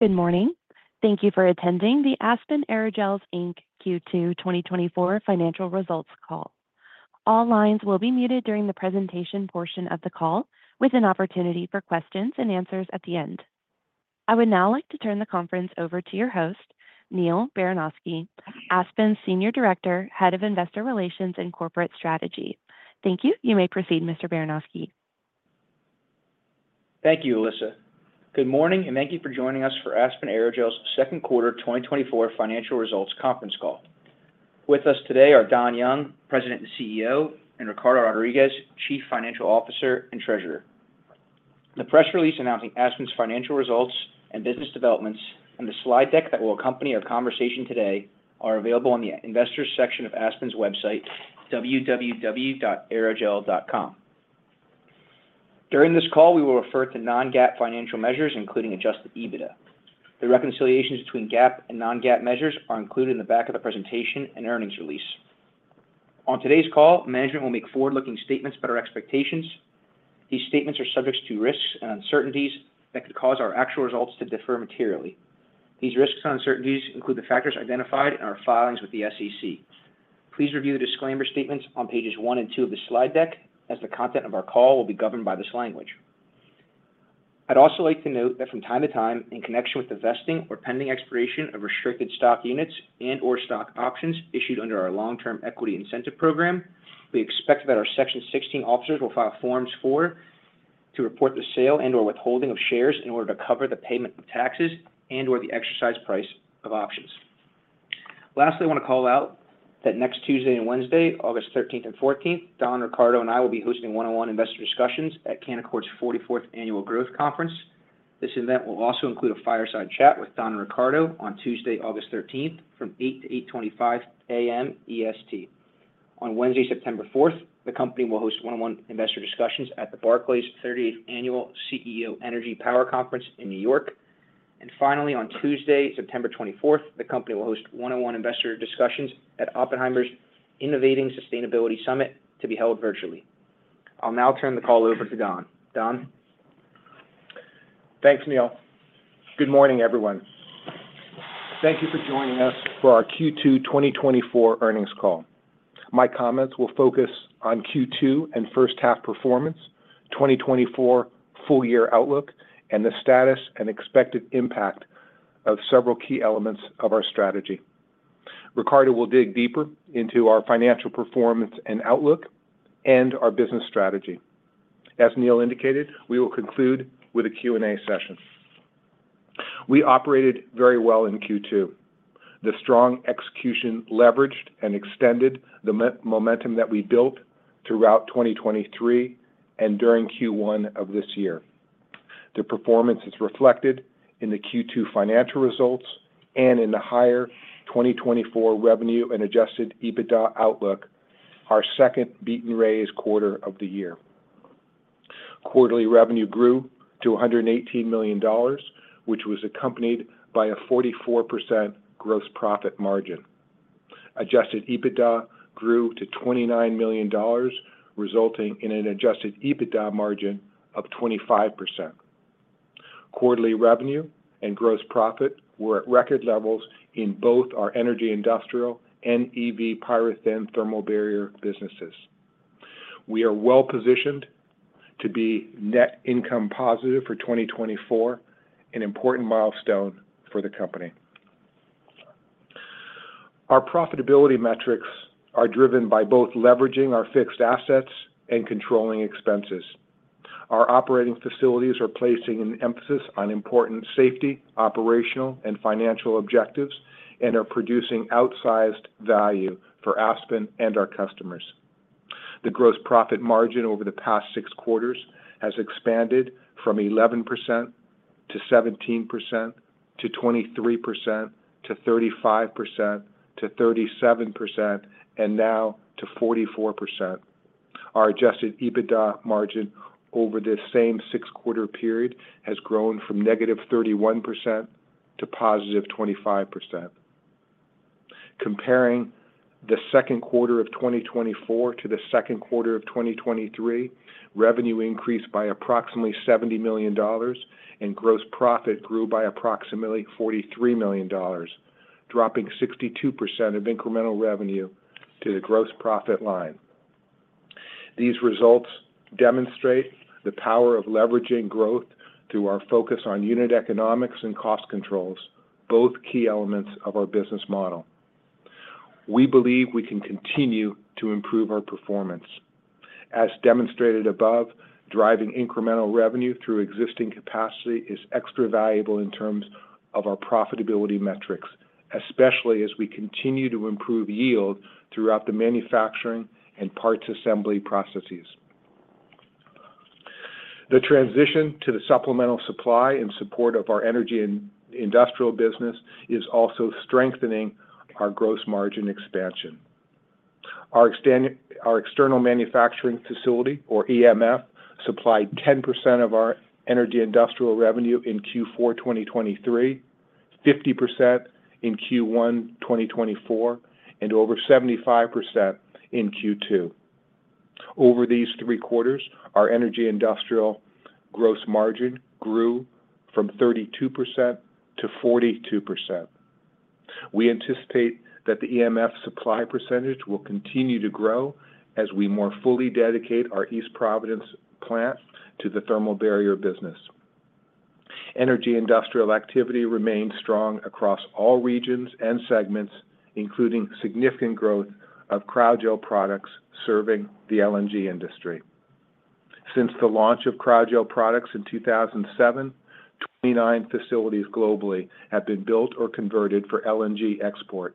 Good morning. Thank you for attending the Aspen Aerogels, Inc. Q2 2024 financial results call. All lines will be muted during the presentation portion of the call, with an opportunity for questions and answers at the end. I would now like to turn the conference over to your host, Neal Baranosky, Aspen's Senior Director, Head of Investor Relations and Corporate Strategy. Thank you. You may proceed, Mr. Baranosky. Thank you, Alyssa. Good morning, and thank you for joining us for Aspen Aerogels' second quarter 2024 financial results conference call. With us today are Don Young, President and CEO, and Ricardo Rodriguez, Chief Financial Officer and Treasurer. The press release announcing Aspen's financial results and business developments and the slide deck that will accompany our conversation today are available on the Investors section of Aspen's website, www.aerogel.com. During this call, we will refer to non-GAAP financial measures, including adjusted EBITDA. The reconciliations between GAAP and non-GAAP measures are included in the back of the presentation and earnings release. On today's call, management will make forward-looking statements about our expectations. These statements are subject to risks and uncertainties that could cause our actual results to differ materially. These risks and uncertainties include the factors identified in our filings with the SEC. Please review the disclaimer statements on pages one and two of the slide deck, as the content of our call will be governed by this language. I'd also like to note that from time to time, in connection with the vesting or pending expiration of restricted stock units and/or stock options issued under our long-term equity incentive program, we expect that our Section 16 officers will file Forms 4 to report the sale and/or withholding of shares in order to cover the payment of taxes and/or the exercise price of options. Lastly, I want to call out that next Tuesday and Wednesday, August 13 and 14, Don, Ricardo, and I will be hosting one-on-one investor discussions at Canaccord's 44th Annual Growth Conference. This event will also include a fireside chat with Don and Ricardo on Tuesday, August 13, from 8:00 to 8:25 A.M. EST. On Wednesday, September 4, the company will host one-on-one investor discussions at the Barclays 38th Annual CEO Energy Power Conference in New York. Finally, on Tuesday, September 24, the company will host one-on-one investor discussions at Oppenheimer's Innovating Sustainability Summit to be held virtually. I'll now turn the call over to Don. Don? Thanks, Neal. Good morning, everyone. Thank you for joining us for our Q2 2024 earnings call. My comments will focus on Q2 and first half performance, 2024 full year outlook, and the status and expected impact of several key elements of our strategy. Ricardo will dig deeper into our financial performance and outlook and our business strategy. As Neal indicated, we will conclude with a Q&A session. We operated very well in Q2. The strong execution leveraged and extended the momentum that we built throughout 2023 and during Q1 of this year. The performance is reflected in the Q2 financial results and in the higher 2024 revenue and adjusted EBITDA outlook, our second beat and raise quarter of the year. Quarterly revenue grew to $118 million, which was accompanied by a 44% gross profit margin. Adjusted EBITDA grew to $29 million, resulting in an adjusted EBITDA margin of 25%. Quarterly revenue and gross profit were at record levels in both our Energy Industrial, and EV PyroThin thermal barrier businesses. We are well-positioned to be net income positive for 2024, an important milestone for the company. Our profitability metrics are driven by both leveraging our fixed assets and controlling expenses. Our operating facilities are placing an emphasis on important safety, operational, and financial objectives and are producing outsized value for Aspen and our customers. The gross profit margin over the past six quarters has expanded from 11% to 17%, to 23%, to 35%, to 37%, and now to 44%. Our adjusted EBITDA margin over this same six-quarter period has grown from -31% to +25%. Comparing the second quarter of 2024 to the second quarter of 2023, revenue increased by approximately $70 million and gross profit grew by approximately $43 million, dropping 62% of incremental revenue to the gross profit line. These results demonstrate the power of leveraging growth through our focus on unit economics and cost controls, both key elements of our business model. We believe we can continue to improve our performance. As demonstrated above, driving incremental revenue through existing capacity is extra valuable in terms of our profitability metrics, especially as we continue to improve yield throughout the manufacturing and parts assembly processes. The transition to the supplemental supply in support of our energy and industrial business is also strengthening our gross margin expansion. Our external manufacturing facility, or EMF, supplied 10% of our Energy Industrial revenue in Q4 2023, 50% in Q1 2024, and over 75% in Q2. Over these three quarters, our Energy Industrial gross margin grew from 32% to 42%. We anticipate that the EMF supply percentage will continue to grow as we more fully dedicate our East Providence plant to the thermal barrier business. Energy Industrial activity remains strong across all regions and segments, including significant growth of Cryogel products serving the LNG industry. Since the launch of Cryogel products in 2007, 29 facilities globally have been built or converted for LNG export.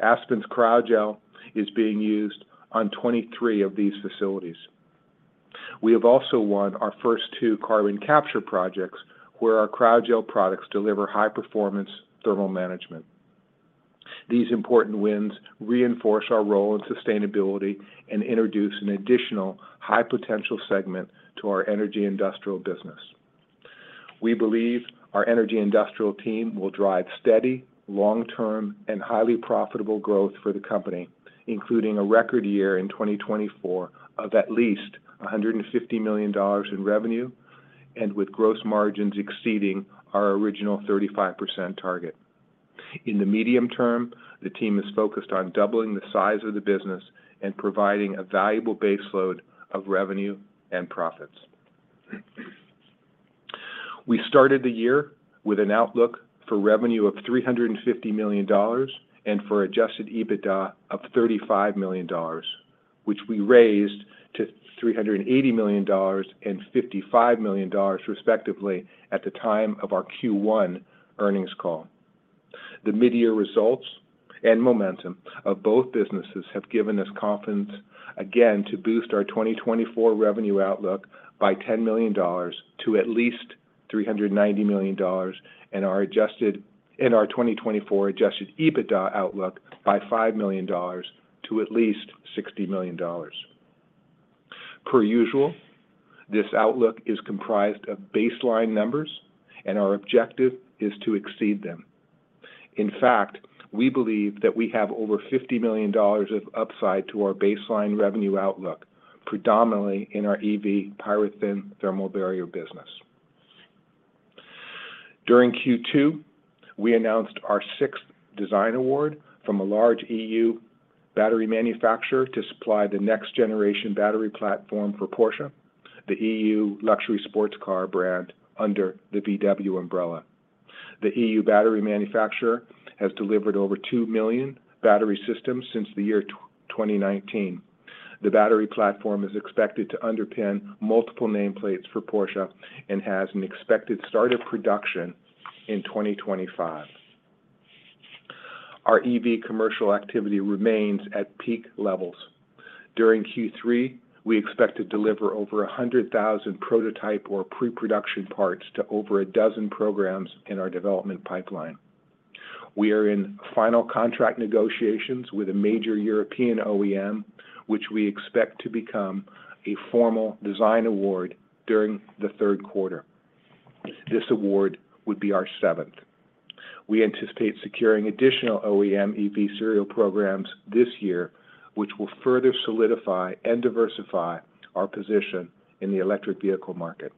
Aspen's Cryogel is being used on 23 of these facilities. We have also won our first two carbon capture projects, where our Cryogel products deliver high-performance thermal management. These important wins reinforce our role in sustainability and introduce an additional high-potential segment to our Energy Industrial business. We believe our Energy Industrial team will drive steady, long-term, and highly profitable growth for the company, including a record year in 2024 of at least $150 million in revenue and with gross margins exceeding our original 35% target. In the medium term, the team is focused on doubling the size of the business and providing a valuable baseload of revenue and profits. We started the year with an outlook for revenue of $350 million and for adjusted EBITDA of $35 million, which we raised to $380 million and $55 million, respectively, at the time of our Q1 earnings call. The mid-year results and momentum of both businesses have given us confidence again to boost our 2024 revenue outlook by $10 million to at least $390 million, and our 2024 adjusted EBITDA outlook by $5 million to at least $60 million. Per usual, this outlook is comprised of baseline numbers, and our objective is to exceed them. In fact, we believe that we have over $50 million of upside to our baseline revenue outlook, predominantly in our EV PyroThin thermal barrier business. During Q2, we announced our sixth design award from a large EU battery manufacturer to supply the next-generation battery platform for Porsche, the EU luxury sports car brand under the VW umbrella. The EU battery manufacturer has delivered over 2 million battery systems since the year 2019. The battery platform is expected to underpin multiple nameplates for Porsche and has an expected start of production in 2025. Our EV commercial activity remains at peak levels. During Q3, we expect to deliver over 100,000 prototype or pre-production parts to over a dozen programs in our development pipeline. We are in final contract negotiations with a major European OEM, which we expect to become a formal design award during the third quarter. This award would be our seventh. We anticipate securing additional OEM EV serial programs this year, which will further solidify and diversify our position in the electric vehicle market.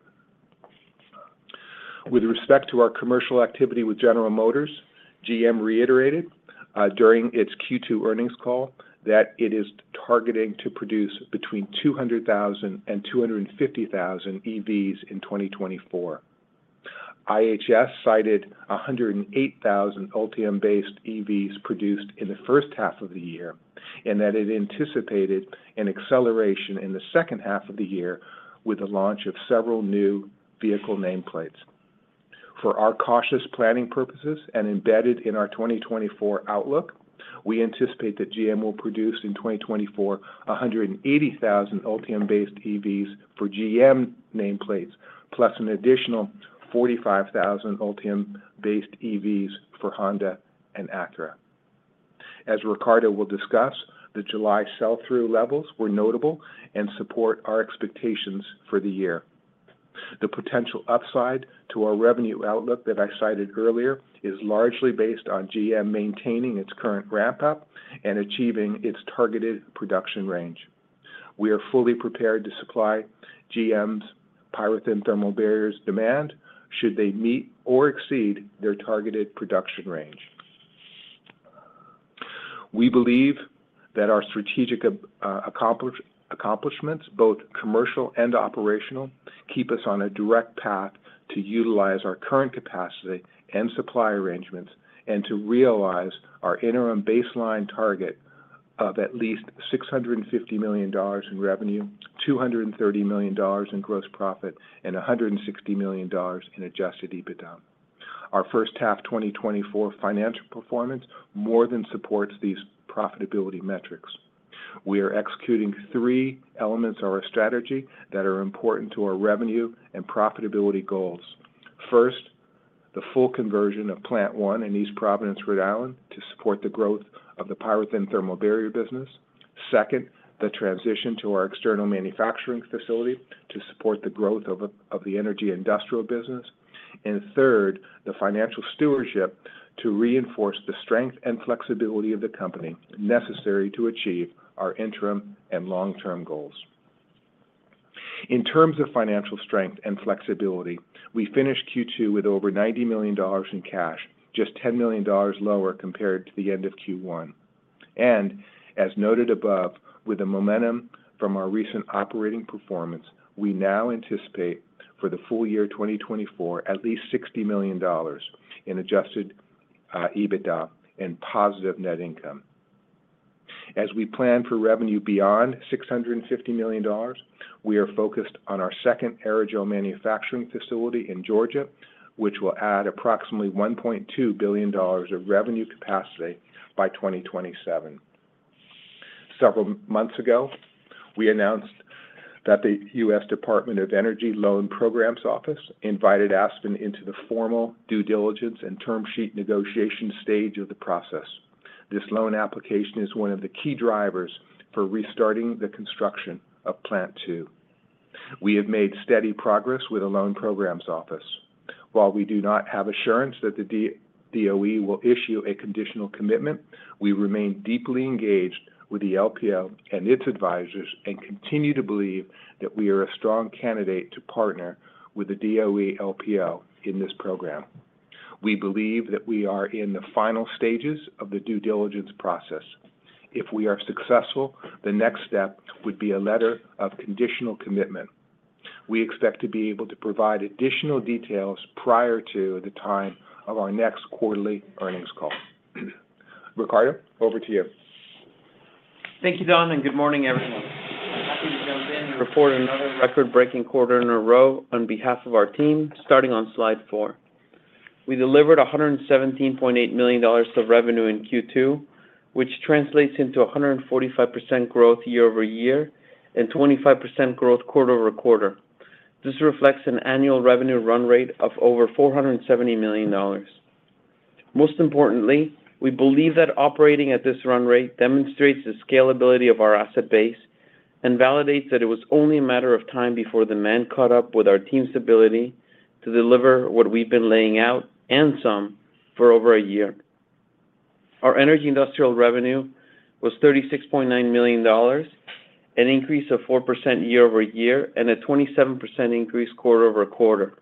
With respect to our commercial activity with General Motors, GM reiterated during its Q2 earnings call that it is targeting to produce between 200,000 EVs and 250,000 EVs in 2024. IHS cited 108,000 Ultium-based EVs produced in the first half of the year, and that it anticipated an acceleration in the second half of the year with the launch of several new vehicle nameplates. For our cautious planning purposes and embedded in our 2024 outlook, we anticipate that GM will produce in 2024, 180,000 Ultium-based EVs for GM nameplates, plus an additional 45,000 Ultium-based EVs for Honda and Acura. As Ricardo will discuss, the July sell-through levels were notable and support our expectations for the year. The potential upside to our revenue outlook that I cited earlier is largely based on GM maintaining its current ramp-up and achieving its targeted production range. We are fully prepared to supply GM's PyroThin thermal barriers demand, should they meet or exceed their targeted production range. We believe that our strategic accomplishments, both commercial and operational, keep us on a direct path to utilize our current capacity and supply arrangements, and to realize our interim baseline target of at least $650 million in revenue, $230 million in gross profit, and $160 million in adjusted EBITDA. Our first half 2024 financial performance more than supports these profitability metrics. We are executing three elements of our strategy that are important to our revenue and profitability goals. First, the full conversion of Plant One in East Providence, Rhode Island, to support the growth of the PyroThin thermal barrier business. Second, the transition to our external manufacturing facility to support the growth of the Energy Industrial business... Third, the financial stewardship to reinforce the strength and flexibility of the company necessary to achieve our interim and long-term goals. In terms of financial strength and flexibility, we finished Q2 with over $90 million in cash, just $10 million lower compared to the end of Q1. As noted above, with the momentum from our recent operating performance, we now anticipate for the full year 2024, at least $60 million in adjusted EBITDA and positive net income. As we plan for revenue beyond $650 million, we are focused on our second aerogel manufacturing facility in Georgia, which will add approximately $1.2 billion of revenue capacity by 2027. Several months ago, we announced that the U.S. Department of Energy Loan Programs Office invited Aspen into the formal due diligence and term sheet negotiation stage of the process. This loan application is one of the key drivers for restarting the construction Plant Two. we have made steady progress with the Loan Programs Office. While we do not have assurance that the DOE will issue a conditional commitment, we remain deeply engaged with the LPO and its advisors and continue to believe that we are a strong candidate to partner with the DOE LPO in this program. We believe that we are in the final stages of the due diligence process. If we are successful, the next step would be a letter of conditional commitment. We expect to be able to provide additional details prior to the time of our next quarterly earnings call. Ricardo, over to you. Thank you, Don, and good morning, everyone. Happy to jump in and report another record-breaking quarter in a row on behalf of our team, starting on slide four. We delivered $117.8 million of revenue in Q2, which translates into 145% growth year-over-year and 25% growth quarter-over-quarter. This reflects an annual revenue run rate of over $470 million. Most importantly, we believe that operating at this run rate demonstrates the scalability of our asset base and validates that it was only a matter of time before demand caught up with our team's ability to deliver what we've been laying out and some for over a year. Our Energy Industrial revenue was $36.9 million, an increase of 4% year-over-year and a 27% increase quarter-over-quarter.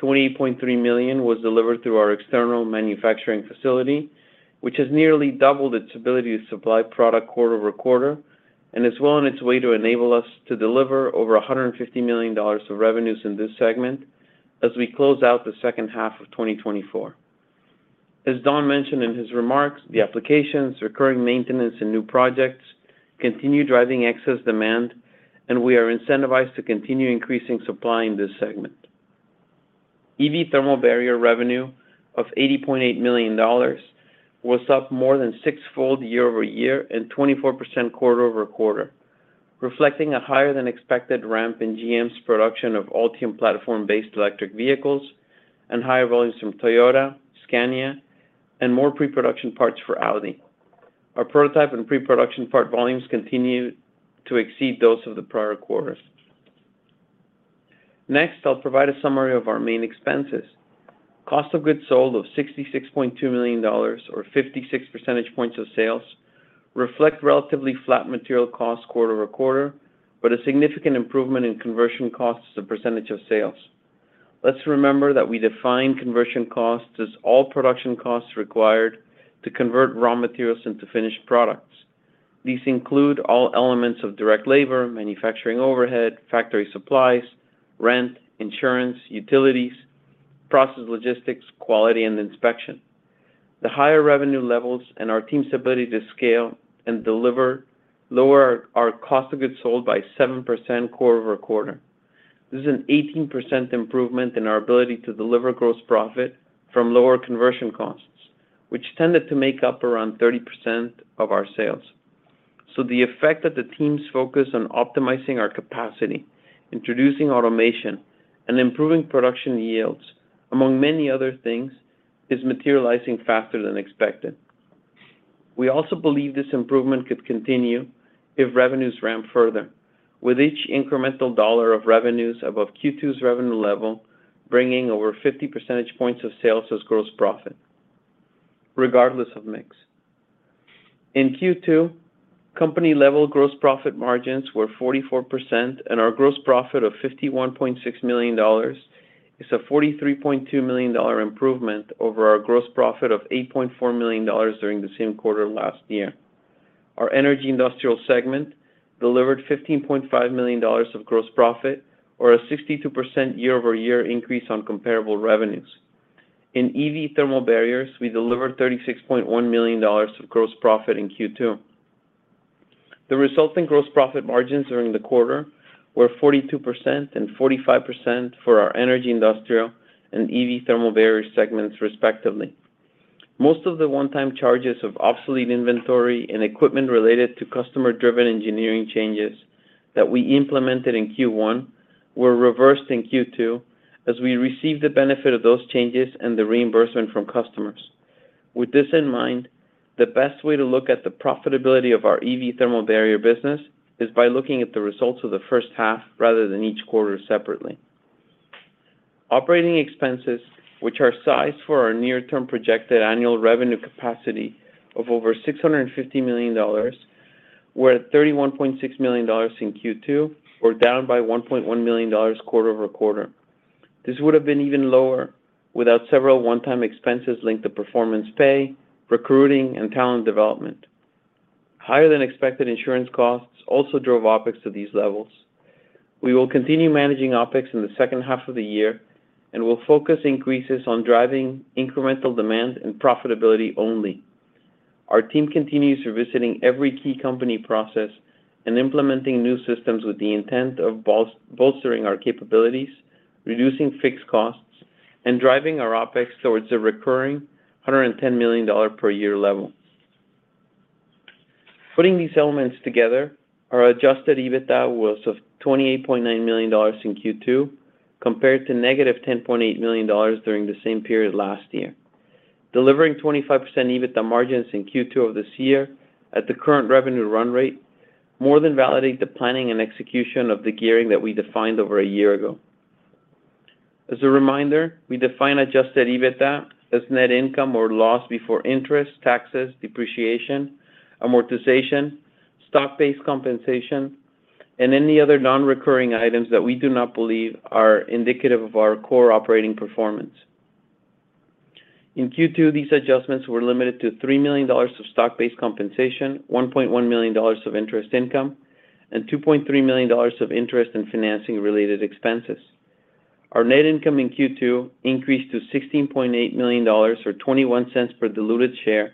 $28.3 million was delivered through our external manufacturing facility, which has nearly doubled its ability to supply product quarter-over-quarter and is well on its way to enable us to deliver over $150 million of revenues in this segment as we close out the second half of 2024. As Don mentioned in his remarks, the applications, recurring maintenance, and new projects continue driving excess demand, and we are incentivized to continue increasing supply in this segment. EV thermal barrier revenue of $80.8 million was up more than sixfold year-over-year and 24% quarter-over-quarter, reflecting a higher-than-expected ramp in GM's production of Ultium platform-based electric vehicles and higher volumes from Toyota, Scania, and more pre-production parts for Audi. Our prototype and pre-production part volumes continue to exceed those of the prior quarters. Next, I'll provide a summary of our main expenses. Cost of goods sold of $66.2 million or 56 percentage points of sales reflect relatively flat material costs quarter-over-quarter, but a significant improvement in conversion costs as a percentage of sales. Let's remember that we define conversion costs as all production costs required to convert raw materials into finished products. These include all elements of direct labor, manufacturing overhead, factory supplies, rent, insurance, utilities, process logistics, quality, and inspection. The higher revenue levels and our team's ability to scale and deliver lower our cost of goods sold by 7% quarter-over-quarter. This is an 18% improvement in our ability to deliver gross profit from lower conversion costs, which tended to make up around 30% of our sales. So the effect that the team's focus on optimizing our capacity, introducing automation, and improving production yields, among many other things, is materializing faster than expected. We also believe this improvement could continue if revenues ramp further, with each incremental dollar of revenues above Q2's revenue level, bringing over 50 percentage points of sales as gross profit, regardless of mix. In Q2, company-level gross profit margins were 44%, and our gross profit of $51.6 million is a $43.2 million improvement over our gross profit of $8.4 million during the same quarter last year. Our Energy Industrial segment delivered $15.5 million of gross profit or a 62% year-over-year increase on comparable revenues. In EV thermal barriers, we delivered $36.1 million of gross profit in Q2. The resulting gross profit margins during the quarter were 42% and 45% for our Energy Industrial, and EV Thermal Barrier segments, respectively. Most of the one-time charges of obsolete inventory and equipment related to customer-driven engineering changes that we implemented in Q1 were reversed in Q2 as we received the benefit of those changes and the reimbursement from customers. With this in mind, the best way to look at the profitability of our EV thermal barrier business is by looking at the results of the first half, rather than each quarter separately. Operating expenses, which are sized for our near-term projected annual revenue capacity of over $650 million, were at $31.6 million in Q2, or down by $1.1 million quarter-over-quarter. This would have been even lower without several one-time expenses linked to performance pay, recruiting, and talent development. Higher-than-expected insurance costs also drove OpEx to these levels. We will continue managing OpEx in the second half of the year, and we'll focus increases on driving incremental demand and profitability only. Our team continues revisiting every key company process and implementing new systems with the intent of bolstering our capabilities, reducing fixed costs, and driving our OpEx towards a recurring $110 million per year level. Putting these elements together, our adjusted EBITDA was of $28.9 million in Q2, compared to -$10.8 million during the same period last year. Delivering 25% EBITDA margins in Q2 of this year at the current revenue run rate, more than validates the planning and execution of the gearing that we defined over a year ago. As a reminder, we define Adjusted EBITDA as net income or loss before interest, taxes, depreciation, amortization, stock-based compensation, and any other non-recurring items that we do not believe are indicative of our core operating performance. In Q2, these adjustments were limited to $3 million of stock-based compensation, $1.1 million of interest income, and $2.3 million of interest and financing-related expenses. Our net income in Q2 increased to $16.8 million or $0.21 per diluted share,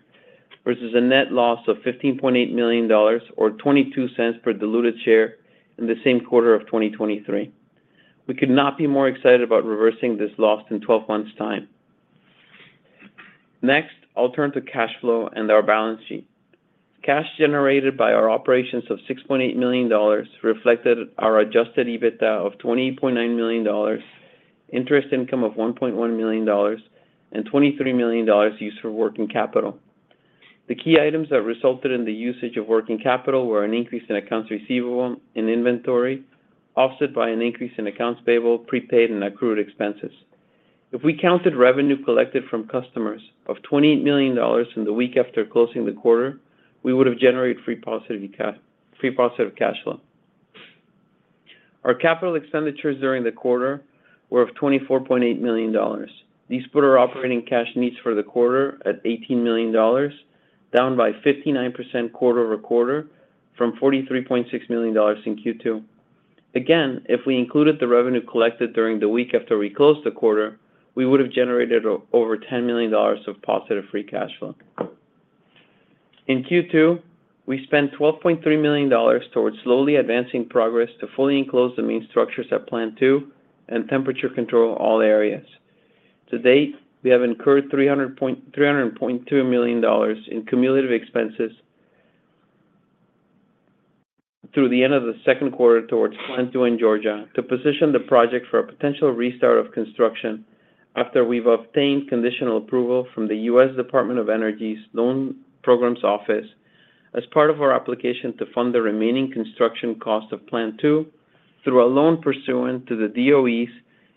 versus a net loss of $15.8 million, or $0.22 per diluted share in the same quarter of 2023. We could not be more excited about reversing this loss in 12 months' time. Next, I'll turn to cash flow and our balance sheet. Cash generated by our operations of $6.8 million reflected our Adjusted EBITDA of $28.9 million, interest income of $1.1 million, and $23 million used for working capital. The key items that resulted in the usage of working capital were an increase in accounts receivable and inventory, offset by an increase in accounts payable, prepaid, and accrued expenses. If we counted revenue collected from customers of $20 million in the week after closing the quarter, we would have generated free positive cash flow. Our capital expenditures during the quarter were of $24.8 million. These put our operating cash needs for the quarter at $18 million, down by 59% quarter-over-quarter from $43.6 million in Q2. Again, if we included the revenue collected during the week after we closed the quarter, we would have generated over $10 million of positive free cash flow. In Q2, we spent $12.3 million towards slowly advancing progress to fully enclose the main structures at Plant Two and temperature control all areas. To date, we have incurred $300.2 million in cumulative expenses through the end of the second quarter Plant Two in Georgia to position the project for a potential restart of construction after we've obtained conditional approval from the U.S. Department of Energy's Loan Programs Office as part of our application to fund the remaining construction cost Plant Two through a loan pursuant to the DOE's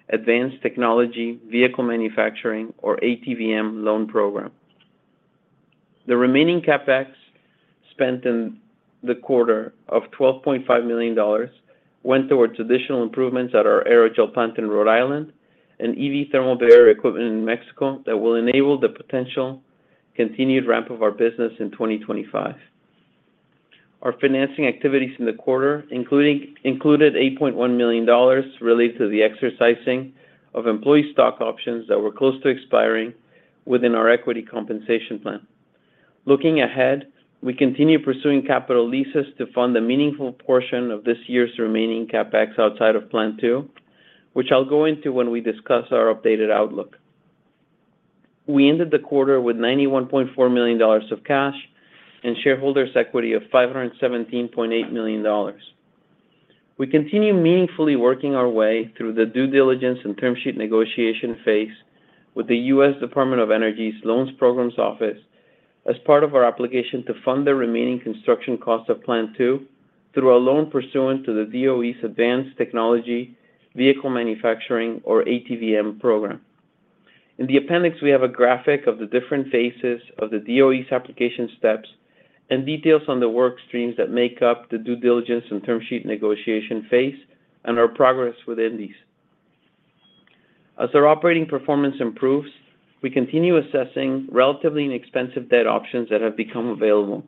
Advanced Technology Vehicles Manufacturing or ATVM Loan Program. The remaining CapEx spent in the quarter of $12.5 million went towards additional improvements at our aerogel plant in Rhode Island and EV thermal barrier equipment in Mexico that will enable the potential continued ramp of our business in 2025. Our financing activities in the quarter included $8.1 million related to the exercising of employee stock options that were close to expiring within our equity compensation plan. Looking ahead, we continue pursuing capital leases to fund a meaningful portion of this year's remaining CapEx outside Plant Two, which I'll go into when we discuss our updated outlook. We ended the quarter with $91.4 million of cash and shareholders' equity of $517.8 million. We continue meaningfully working our way through the due diligence and term sheet negotiation phase with the U.S. Department of Energy's Loan Programs Office as part of our obligation to fund the remaining construction cost Plant Two through a loan pursuant to the DOE's Advanced Technology Vehicles Manufacturing, or ATVM program. In the appendix, we have a graphic of the different phases of the DOE's application steps and details on the work streams that make up the due diligence and term sheet negotiation phase, and our progress within these. As our operating performance improves, we continue assessing relatively inexpensive debt options that have become available.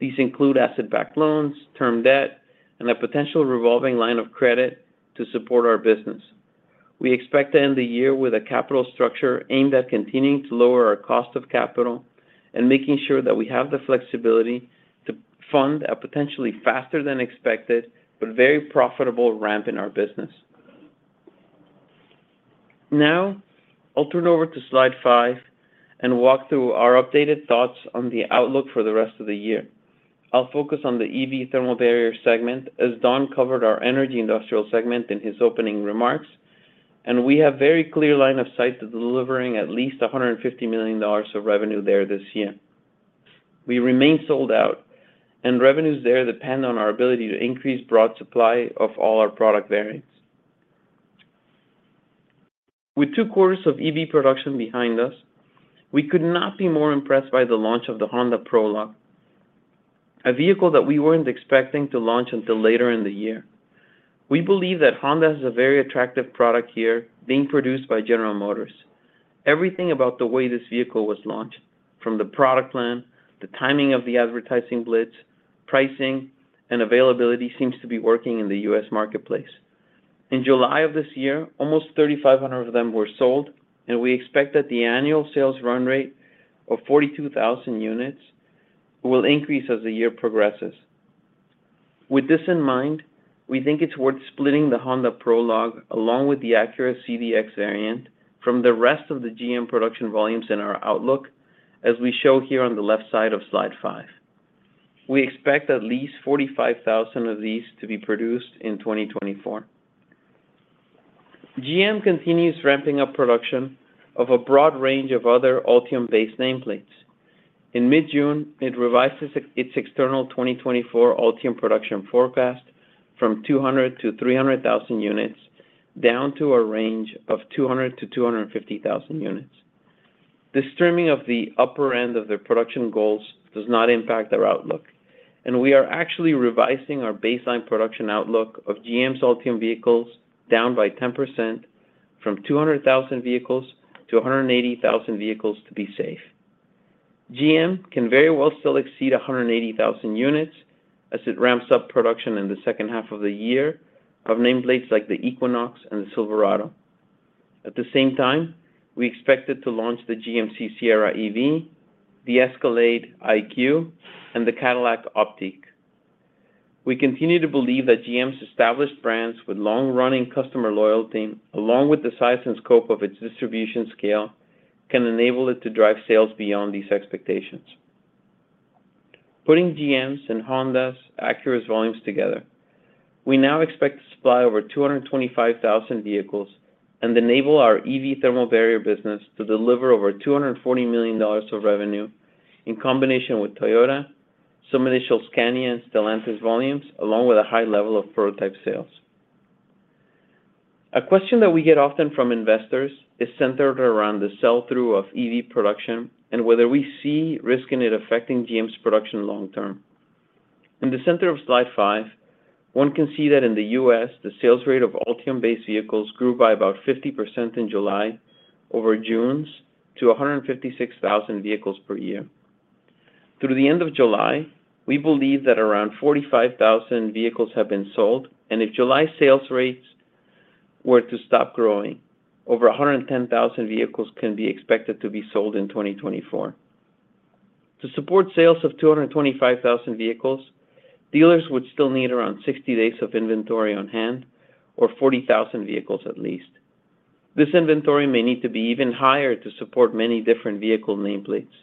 These include asset-backed loans, term debt, and a potential revolving line of credit to support our business. We expect to end the year with a capital structure aimed at continuing to lower our cost of capital and making sure that we have the flexibility to fund a potentially faster-than-expected but very profitable ramp in our business. Now, I'll turn over to slide five and walk through our updated thoughts on the outlook for the rest of the year. I'll focus on the EV Thermal Barrier segment, as Don covered our Energy Industrial segment in his opening remarks, and we have very clear line of sight to delivering at least $150 million of revenue there this year. We remain sold out, and revenues there depend on our ability to increase broad supply of all our product variants. With two quarters of EV production behind us, we could not be more impressed by the launch of the Honda Prologue, a vehicle that we weren't expecting to launch until later in the year. We believe that Honda has a very attractive product here being produced by General Motors. Everything about the way this vehicle was launched, from the product plan, the timing of the advertising blitz, pricing, and availability, seems to be working in the U.S. marketplace. In July of this year, almost 3,500 of them were sold, and we expect that the annual sales run rate of 42,000 units will increase as the year progresses. With this in mind, we think it's worth splitting the Honda Prologue, along with the Acura ZDX variant, from the rest of the GM production volumes in our outlook, as we show here on the left side of slide five. We expect at least 45,000 of these to be produced in 2024. GM continues ramping up production of a broad range of other Ultium-based nameplates. In mid-June, it revised its external 2024 Ultium production forecast from 200,000 units to 300,000 units, down to a range of 200,000 units to 250,000 units. This trimming of the upper end of their production goals does not impact our outlook, and we are actually revising our baseline production outlook of GM's Ultium vehicles down by 10% from 200,000 vehicles to 180,000 vehicles to be safe. GM can very well still exceed 180,000 units as it ramps up production in the second half of the year of nameplates like the Equinox and the Silverado. At the same time, we expect it to launch the GMC Sierra EV, the Escalade IQ, and the Cadillac Optiq. We continue to believe that GM's established brands with long-running customer loyalty, along with the size and scope of its distribution scale, can enable it to drive sales beyond these expectations. Putting GM's and Honda's Acura's volumes together, we now expect to supply over 225,000 vehicles and enable our EV thermal barrier business to deliver over $240 million of revenue, in combination with Toyota, some initial Scania and Stellantis volumes, along with a high level of prototype sales. A question that we get often from investors is centered around the sell-through of EV production and whether we see risk in it affecting GM's production long term. In the center of slide five, one can see that in the U.S., the sales rate of Ultium-based vehicles grew by about 50% in July over June's, to 156,000 vehicles per year. Through the end of July, we believe that around 45,000 vehicles have been sold, and if July sales rates were to stop growing, over 110,000 vehicles can be expected to be sold in 2024. To support sales of 225,000 vehicles, dealers would still need around 60 days of inventory on hand or 40,000 vehicles at least. This inventory may need to be even higher to support many different vehicle nameplates.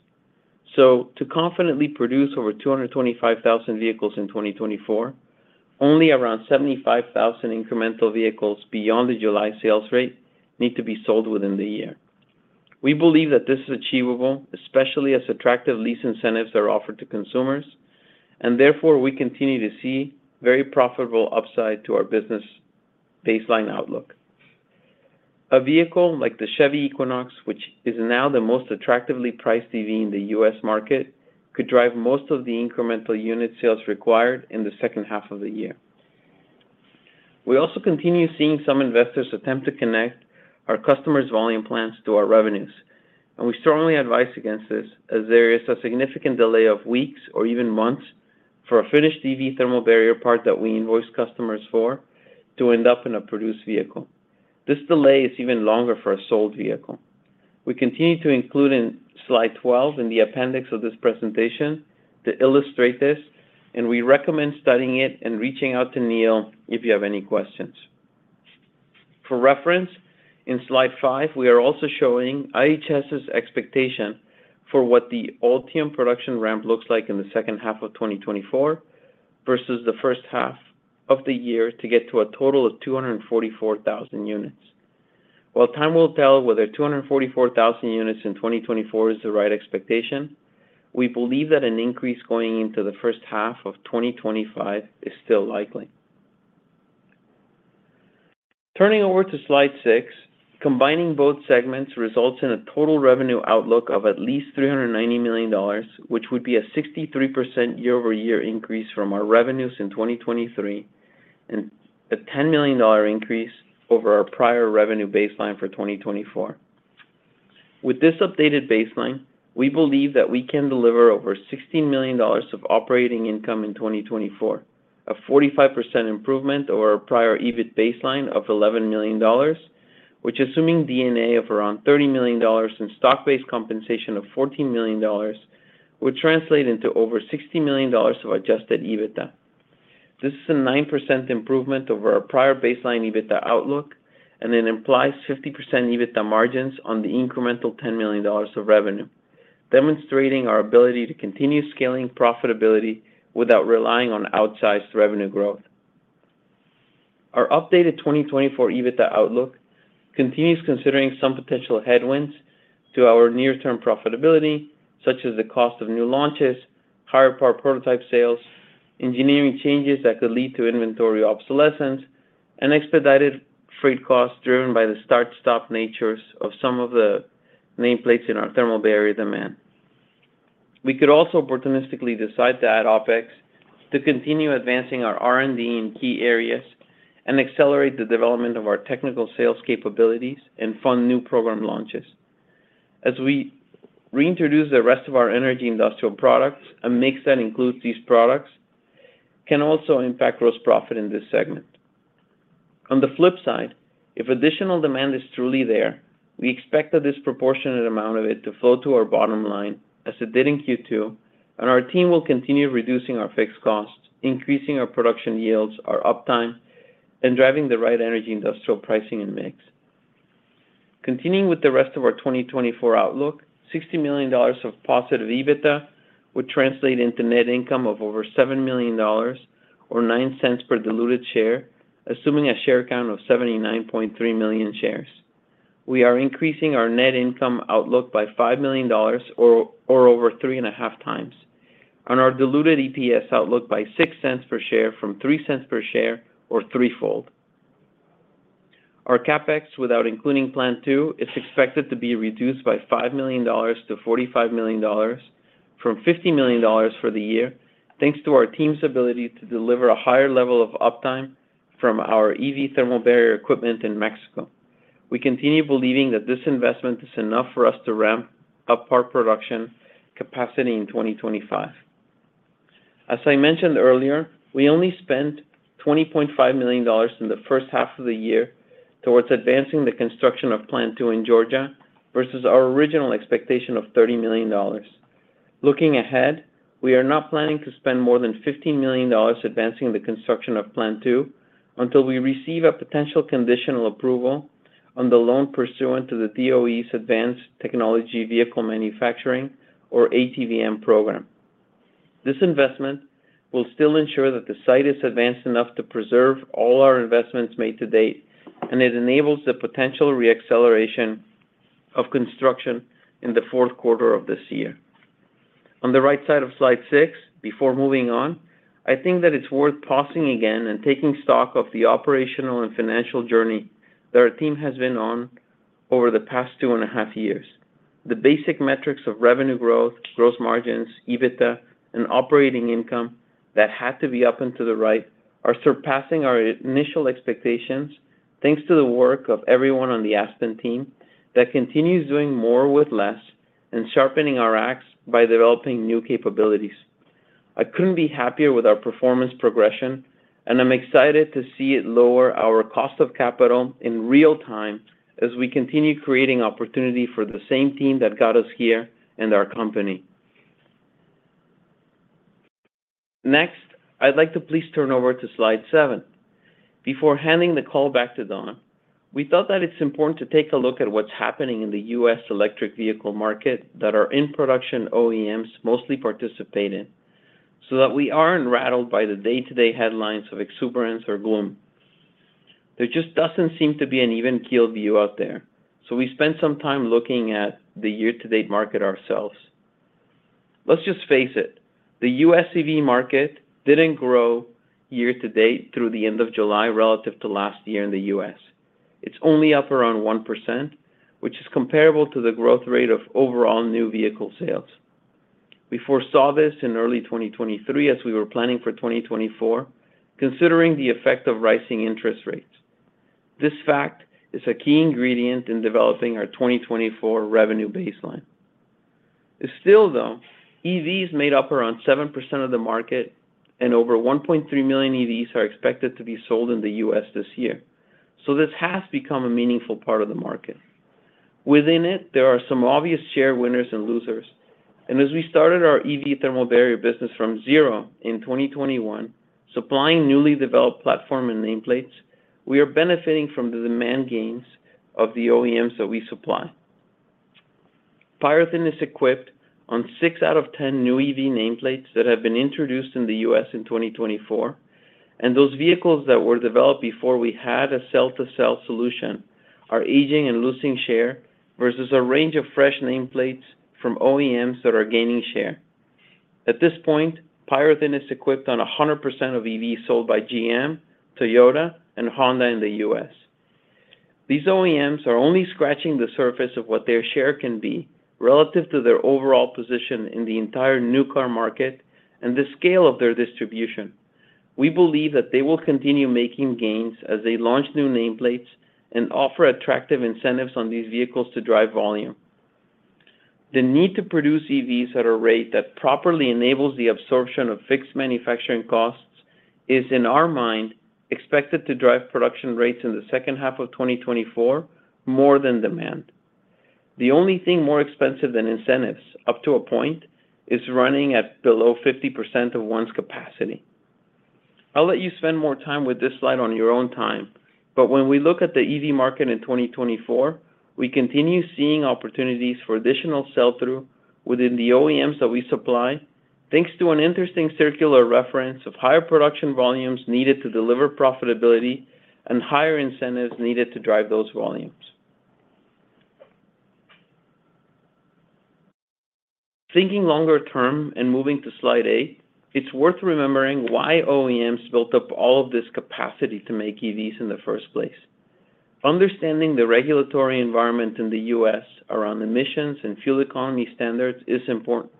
So to confidently produce over 225,000 vehicles in 2024, only around 75,000 incremental vehicles beyond the July sales rate need to be sold within the year. We believe that this is achievable, especially as attractive lease incentives are offered to consumers, and therefore, we continue to see very profitable upside to our business baseline outlook. A vehicle like the Chevy Equinox, which is now the most attractively priced EV in the U.S. market, could drive most of the incremental unit sales required in the second half of the year. We also continue seeing some investors attempt to connect our customers' volume plans to our revenues, and we strongly advise against this, as there is a significant delay of weeks or even months for a finished EV thermal barrier part that we invoice customers for to end up in a produced vehicle. This delay is even longer for a sold vehicle. We continue to include in slide 12 in the appendix of this presentation to illustrate this, and we recommend studying it and reaching out to Neal if you have any questions. For reference, in slide five, we are also showing IHS's expectation for what the Ultium production ramp looks like in the second half of 2024 versus the first half of the year to get to a total of 244,000 units. While time will tell whether 244,000 units in 2024 is the right expectation, we believe that an increase going into the first half of 2025 is still likely. Turning over to slide six, combining both segments results in a total revenue outlook of at least $390 million, which would be a 63% year-over-year increase from our revenues in 2023, and a $10 million increase over our prior revenue baseline for 2024. With this updated baseline, we believe that we can deliver over $16 million of operating income in 2024, a 45% improvement over our prior EBIT baseline of $11 million, which, assuming D&A of around $30 million and stock-based compensation of $14 million, would translate into over $60 million of adjusted EBITDA. This is a 9% improvement over our prior baseline EBITDA outlook, and it implies 50% EBITDA margins on the incremental $10 million of revenue demonstrating our ability to continue scaling profitability without relying on outsized revenue growth. Our updated 2024 EBITDA outlook continues considering some potential headwinds to our near-term profitability, such as the cost of new launches, higher power prototype sales, engineering changes that could lead to inventory obsolescence, and expedited freight costs driven by the start-stop natures of some of the nameplates in our thermal barrier demand. We could also opportunistically decide to add OpEx to continue advancing our R&D in key areas and accelerate the development of our technical sales capabilities and fund new program launches. As we reintroduce the rest of our Energy Industrial products, a mix that includes these products can also impact gross profit in this segment. On the flip side, if additional demand is truly there, we expect a disproportionate amount of it to flow to our bottom line as it did in Q2, and our team will continue reducing our fixed costs, increasing our production yields, our uptime, and driving the right Energy Industrial pricing and mix. Continuing with the rest of our 2024 outlook, $60 million of positive EBITDA would translate into net income of over $7 million or $0.09 per diluted share, assuming a share count of 79.3 million shares. We are increasing our net income outlook by $5 million or over three and a half times, and our diluted EPS outlook by $0.06 per share from $0.03 per share, or threefold. Our CapEx, without including Plant Two, is expected to be reduced by $5 million to $45 million, from $50 million for the year, thanks to our team's ability to deliver a higher level of uptime from our EV thermal barrier equipment in Mexico. We continue believing that this investment is enough for us to ramp up our production capacity in 2025. As I mentioned earlier, we only spent $20.5 million in the first half of the year towards advancing the construction of Plant Two in Georgia versus our original expectation of $30 million. Looking ahead, we are not planning to spend more than $15 million advancing the construction of Plant Two until we receive a potential conditional approval on the loan pursuant to the DOE's Advanced Technology Vehicles Manufacturing, or ATVM program. This investment will still ensure that the site is advanced enough to preserve all our investments made to date, and it enables the potential re-acceleration of construction in the fourth quarter of this year. On the right side of slide six, before moving on, I think that it's worth pausing again and taking stock of the operational and financial journey that our team has been on over the past two and a half years. The basic metrics of revenue growth, gross margins, EBITDA, and operating income that had to be up and to the right are surpassing our initial expectations, thanks to the work of everyone on the Aspen team that continues doing more with less and sharpening our axe by developing new capabilities. I couldn't be happier with our performance progression, and I'm excited to see it lower our cost of capital in real time as we continue creating opportunity for the same team that got us here and our company. Next, I'd like to please turn over to Slide Seven. Before handing the call back to Don, we thought that it's important to take a look at what's happening in the U.S. electric vehicle market that our in-production OEMs mostly participate in, so that we aren't rattled by the day-to-day headlines of exuberance or gloom. There just doesn't seem to be an even-keel view out there, so we spent some time looking at the year-to-date market ourselves. Let's just face it, the U.S. EV market didn't grow year to date through the end of July, relative to last year in the U.S. It's only up around 1%, which is comparable to the growth rate of overall new vehicle sales. We foresaw this in early 2023 as we were planning for 2024, considering the effect of rising interest rates. This fact is a key ingredient in developing our 2024 revenue baseline. Still, though, EVs made up around 7% of the market, and over 1.3 million EVs are expected to be sold in the U.S. this year, so this has become a meaningful part of the market. Within it, there are some obvious share winners and losers, and as we started our EV thermal barrier business from zero in 2021, supplying newly developed platform and nameplates, we are benefiting from the demand gains of the OEMs that we supply. PyroThin is equipped on 6 out of 10 new EV nameplates that have been introduced in the US in 2024, and those vehicles that were developed before we had a cell-to-cell solution are aging and losing share versus a range of fresh nameplates from OEMs that are gaining share. At this point, PyroThin is equipped on 100% of EVs sold by GM, Toyota, and Honda in the US. These OEMs are only scratching the surface of what their share can be relative to their overall position in the entire new car market and the scale of their distribution. We believe that they will continue making gains as they launch new nameplates and offer attractive incentives on these vehicles to drive volume. The need to produce EVs at a rate that properly enables the absorption of fixed manufacturing costs is, in our mind, expected to drive production rates in the second half of 2024 more than demand. The only thing more expensive than incentives, up to a point, is running at below 50% of one's capacity. I'll let you spend more time with this slide on your own time, but when we look at the EV market in 2024, we continue seeing opportunities for additional sell-through within the OEMs that we supply, thanks to an interesting circular reference of higher production volumes needed to deliver profitability and higher incentives needed to drive those volumes. Thinking longer term and moving to slide 8, it's worth remembering why OEMs built up all of this capacity to make EVs in the first place. Understanding the regulatory environment in the U.S. around emissions and fuel economy standards is important,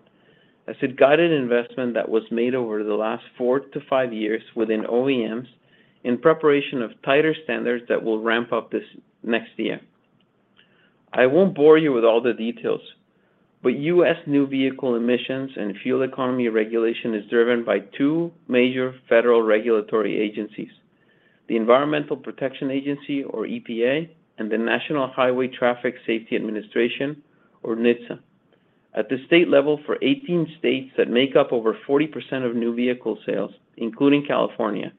as it guided investment that was made over the last 4 years-5 years within OEMs in preparation of tighter standards that will ramp up this next year. I won't bore you with all the details, but U.S. new vehicle emissions and fuel economy regulation is driven by two major federal regulatory agencies, the Environmental Protection Agency, or EPA, and the National Highway Traffic Safety Administration, or NHTSA. At the state level, for 18 states that make up over 40% of new vehicle sales, including California,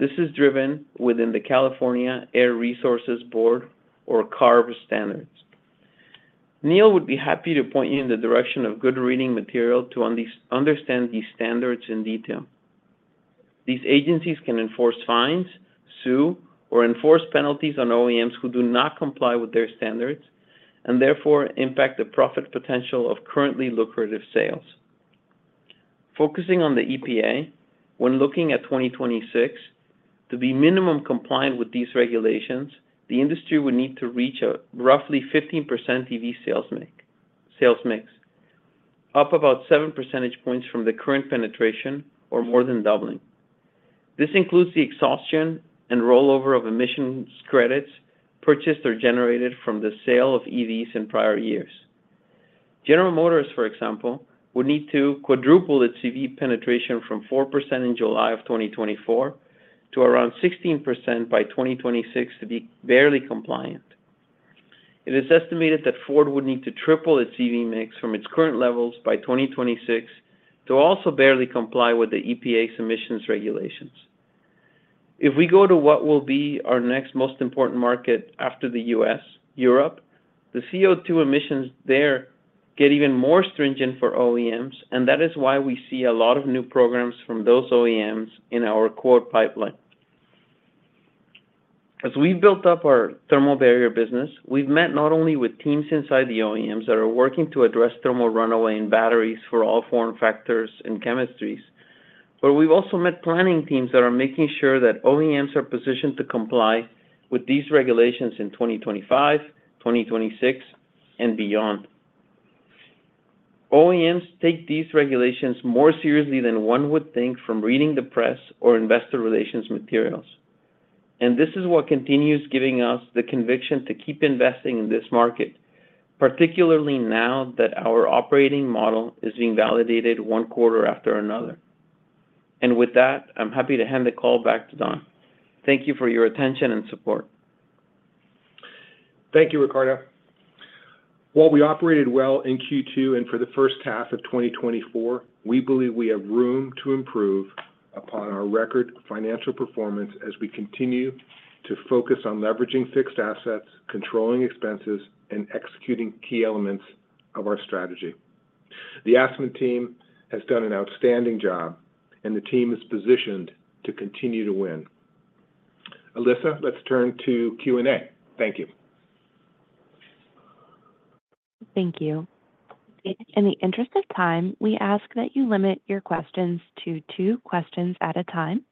this is driven within the California Air Resources Board, or CARB, standards. Neal would be happy to point you in the direction of good reading material to understand these standards in detail. These agencies can enforce fines, sue, or enforce penalties on OEMs who do not comply with their standards, and therefore impact the profit potential of currently lucrative sales. Focusing on the EPA, when looking at 2026, to be minimum compliant with these regulations, the industry would need to reach a roughly 15% EV sales mix, up about seven percentage points from the current penetration or more than doubling. This includes the exhaustion and rollover of emissions credits purchased or generated from the sale of EVs in prior years. General Motors, for example, would need to quadruple its EV penetration from 4% in July of 2024 to around 16% by 2026 to be barely compliant. It is estimated that Ford would need to triple its EV mix from its current levels by 2026 to also barely comply with the EPA's emissions regulations. If we go to what will be our next most important market after the U.S., Europe, the CO2 emissions there get even more stringent for OEMs, and that is why we see a lot of new programs from those OEMs in our core pipeline. As we've built up our thermal barrier business, we've met not only with teams inside the OEMs that are working to address thermal runaway and batteries for all form factors and chemistries, but we've also met planning teams that are making sure that OEMs are positioned to comply with these regulations in 2025, 2026, and beyond. OEMs take these regulations more seriously than one would think from reading the press or investor relations materials, and this is what continues giving us the conviction to keep investing in this market, particularly now that our operating model is being validated one quarter after another. With that, I'm happy to hand the call back to Don. Thank you for your attention and support. Thank you, Ricardo. While we operated well in Q2 and for the first half of 2024, we believe we have room to improve upon our record financial performance as we continue to focus on leveraging fixed assets, controlling expenses, and executing key elements of our strategy. The Aspen team has done an outstanding job, and the team is positioned to continue to win. Alyssa, let's turn to Q&A. Thank you. Thank you. In the interest of time, we ask that you limit your questions to two questions at a time.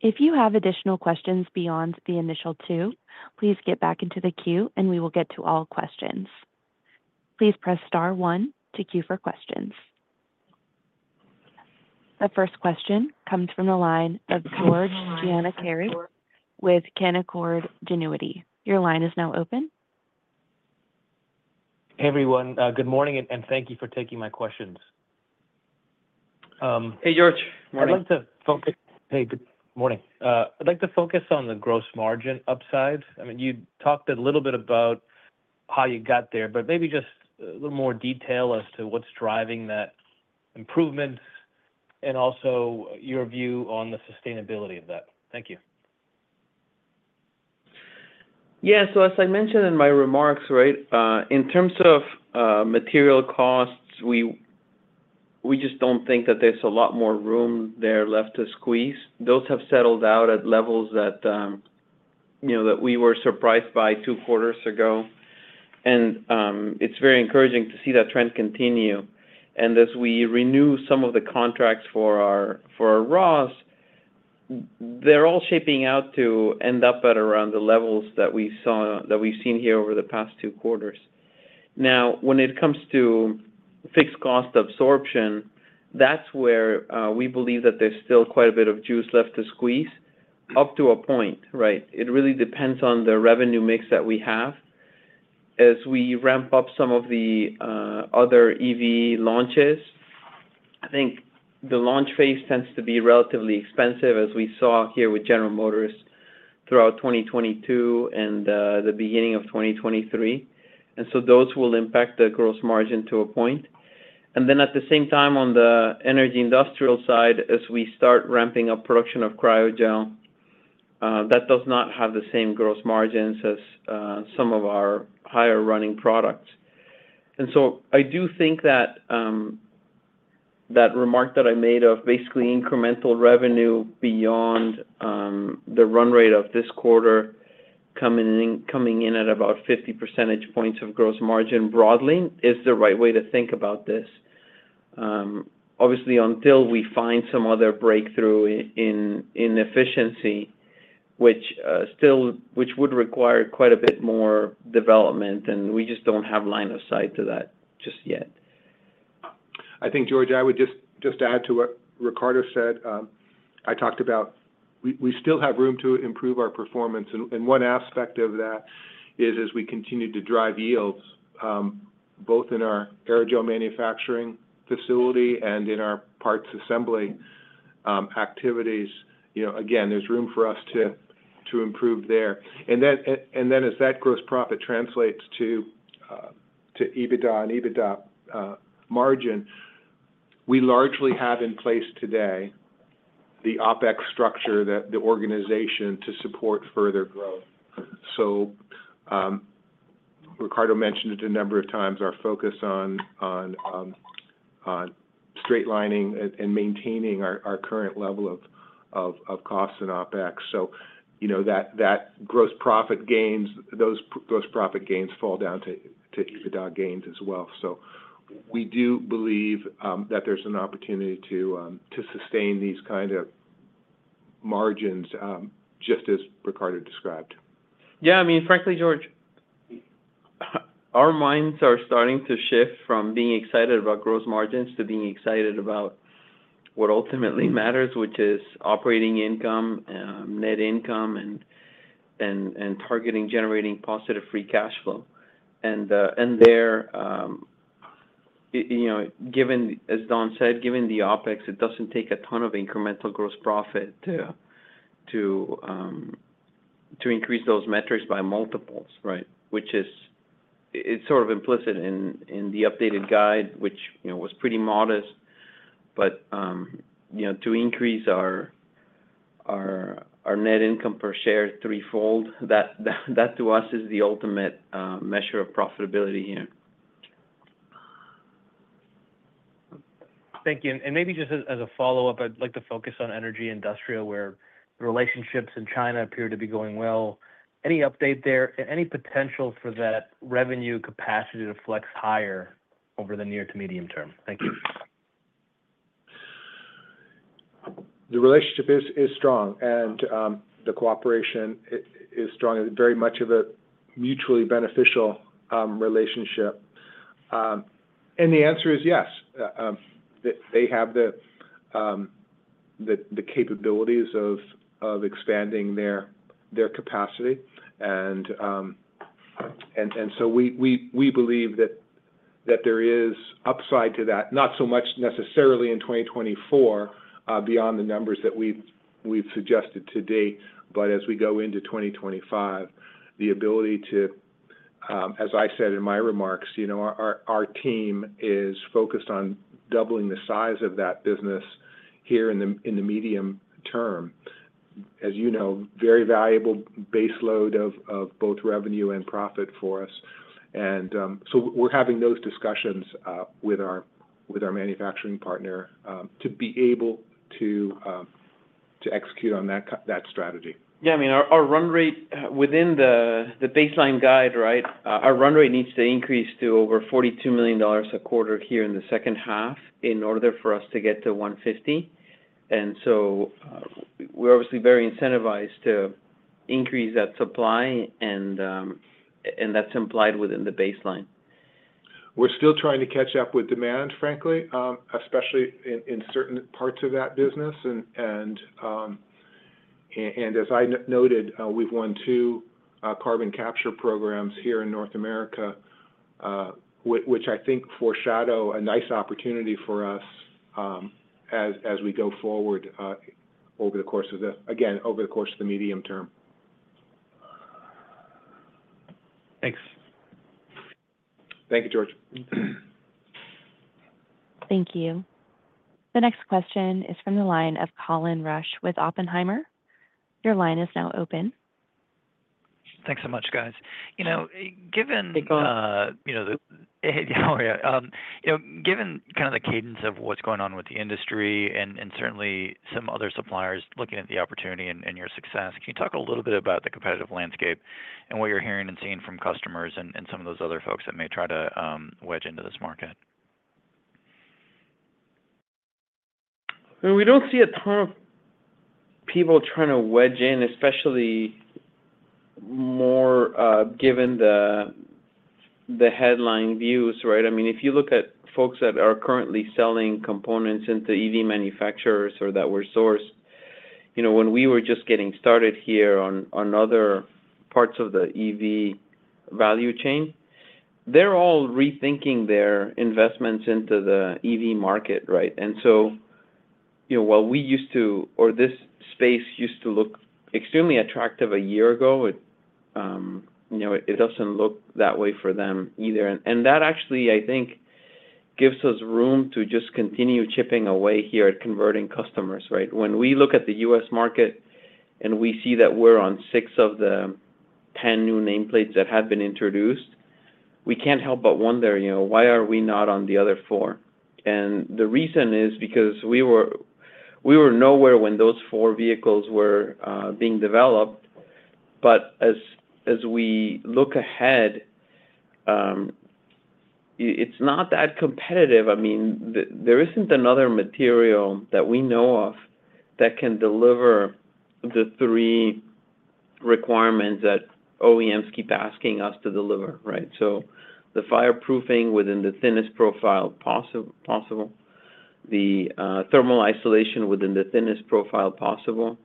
If you have additional questions beyond the initial two, please get back into the queue, and we will get to all questions. Please press star one to queue for questions. The first question comes from the line of George Gianarikas with Canaccord Genuity. Your line is now open. Hey, everyone. Good morning, and thank you for taking my questions. Hey, George. Morning. Hey, good morning. I'd like to focus on the gross margin upside. I mean, you talked a little bit about how you got there, but maybe just a little more detail as to what's driving that improvement and also your view on the sustainability of that. Thank you. Yeah. So as I mentioned in my remarks, right, in terms of material costs, we just don't think that there's a lot more room there left to squeeze. Those have settled out at levels that, you know, that we were surprised by two quarters ago, and it's very encouraging to see that trend continue. And as we renew some of the contracts for our raws, they're all shaping out to end up at around the levels that we've seen here over the past two quarters. Now, when it comes to fixed cost absorption, that's where we believe that there's still quite a bit of juice left to squeeze, up to a point, right? It really depends on the revenue mix that we have. As we ramp up some of the other EV launches, I think the launch phase tends to be relatively expensive, as we saw here with General Motors throughout 2022 and the beginning of 2023, and so those will impact the gross margin to a point. Then at the same time, on the Energy Industrial side, as we start ramping up production of Cryogel, that does not have the same gross margins as some of our higher running products. And so I do think that that remark that I made of basically incremental revenue beyond the run rate of this quarter coming in, coming in at about 50 percentage points of gross margin broadly is the right way to think about this. Obviously, until we find some other breakthrough in efficiency, which would require quite a bit more development, and we just don't have line of sight to that just yet. I think, George, I would just add to what Ricardo said. I talked about we still have room to improve our performance, and one aspect of that is as we continue to drive yields both in our aerogel manufacturing facility and in our parts assembly activities, you know, again, there's room for us to improve there. And then as that gross profit translates to EBITDA and EBITDA margin, we largely have in place today the OpEx structure that the organization to support further growth. So, Ricardo mentioned it a number of times, our focus on straight lining and maintaining our current level of costs and OpEx. So, you know, that gross profit gains, those gross profit gains fall down to EBITDA gains as well. We do believe that there's an opportunity to sustain these kind of margins, just as Ricardo described. Yeah, I mean, frankly, George, our minds are starting to shift from being excited about gross margins to being excited about what ultimately matters, which is operating income, net income, and targeting generating positive free cash flow. And there, you know, given, as Don said, given the OpEx, it doesn't take a ton of incremental gross profit to increase those metrics by multiples, right? Which is, it's sort of implicit in the updated guide, which, you know, was pretty modest. But, you know, to increase our net income per share threefold, that to us is the ultimate measure of profitability here. Thank you. And maybe just as a follow-up, I'd like to focus on Energy Industrial, where the relationships in China appear to be going well. Any update there? Any potential for that revenue capacity to flex higher over the near to medium term? Thank you. The relationship is strong, and the cooperation is strong, very much of a mutually beneficial relationship. And the answer is yes. They have the capabilities of expanding their capacity. And so we believe that there is upside to that, not so much necessarily in 2024 beyond the numbers that we've suggested to date. But as we go into 2025, the ability to, as I said in my remarks, you know, our team is focused on doubling the size of that business here in the medium term. As you know, very valuable baseload of both revenue and profit for us. So we're having those discussions with our manufacturing partner to be able to execute on that strategy. Yeah, I mean, our run rate within the baseline guide, right, our run rate needs to increase to over $42 million a quarter here in the second half in order for us to get to $150. And so, we're obviously very incentivized to increase that supply, and that's implied within the baseline. We're still trying to catch up with demand, frankly, especially in certain parts of that business. And as I noted, we've won two carbon capture programs here in North America, which I think foreshadow a nice opportunity for us, as we go forward, over the course of the, again, over the course of the medium term. Thanks. Thank you, George. Thank you. The next question is from the line of Colin Rusch with Oppenheimer. Your line is now open. Thanks so much, guys. You know, given, Hey, Colin. Hey, how are you? You know, given kind of the cadence of what's going on with the industry and, and certainly some other suppliers looking at the opportunity and, and your success, can you talk a little bit about the competitive landscape and what you're hearing and seeing from customers and, and some of those other folks that may try to wedge into this market? We don't see a ton of people trying to wedge in, especially more, given the headline views, right? I mean, if you look at folks that are currently selling components into EV manufacturers or that were sourced, you know, when we were just getting started here on other parts of the EV value chain, they're all rethinking their investments into the EV market, right? And so you know, while we used to, or this space used to look extremely attractive a year ago, it you know, it doesn't look that way for them either. And that actually, I think, gives us room to just continue chipping away here at converting customers, right? When we look at the U.S. market and we see that we're on six of the 10 new nameplates that have been introduced, we can't help but wonder, you know, why are we not on the other four? The reason is because we were nowhere when those four vehicles were being developed. But as we look ahead, it's not that competitive. I mean, there isn't another material that we know of that can deliver the three requirements that OEMs keep asking us to deliver, right? So the fireproofing within the thinnest profile possible, the thermal isolation within the thinnest profile possible,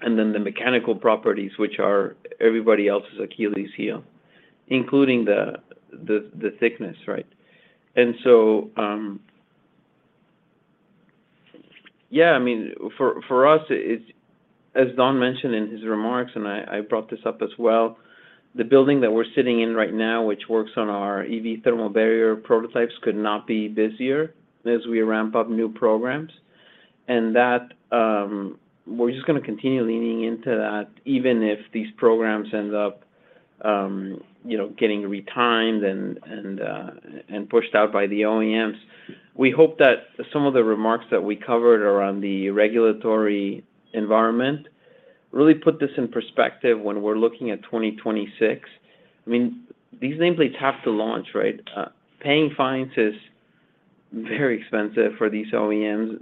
and then the mechanical properties, which are everybody else's Achilles heel, including the thickness, right? And so, yeah, I mean, for, for us, it's, as Don mentioned in his remarks, and I, I brought this up as well, the building that we're sitting in right now, which works on our EV thermal barrier prototypes, could not be busier as we ramp up new programs. And that, we're just gonna continue leaning into that, even if these programs end up, you know, getting retimed and, and, and pushed out by the OEMs. We hope that some of the remarks that we covered around the regulatory environment really put this in perspective when we're looking at 2026. I mean, these nameplates have to launch, right? Paying fines is very expensive for these OEMs.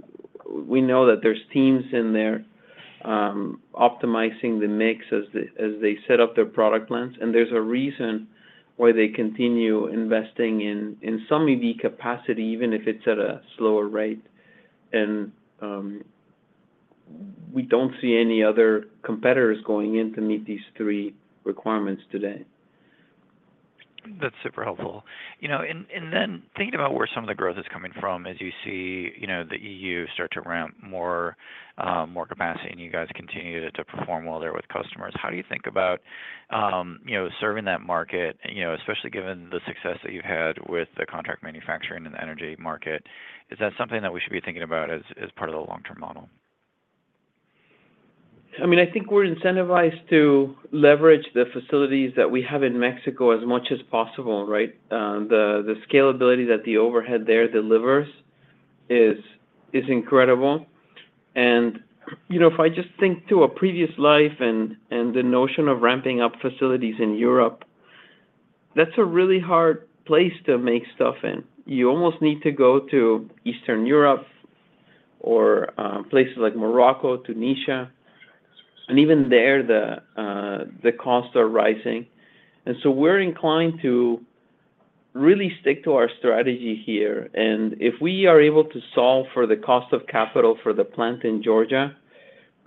We know that there's teams in there optimizing the mix as they set up their product plans, and there's a reason why they continue investing in some EV capacity, even if it's at a slower rate. We don't see any other competitors going in to meet these three requirements today. That's super helpful. You know, and then thinking about where some of the growth is coming from, as you see, you know, the EU start to ramp more, more capacity, and you guys continue to perform well there with customers, how do you think about, you know, serving that market? You know, especially given the success that you've had with the contract manufacturing in the energy market, is that something that we should be thinking about as part of the long-term model? I mean, I think we're incentivized to leverage the facilities that we have in Mexico as much as possible, right? The scalability that the overhead there delivers is incredible. And, you know, if I just think to a previous life and the notion of ramping up facilities in Europe, that's a really hard place to make stuff in. You almost need to go to Eastern Europe or places like Morocco, Tunisia, and even there, the costs are rising. And so we're inclined to really stick to our strategy here, and if we are able to solve for the cost of capital for the plant in Georgia,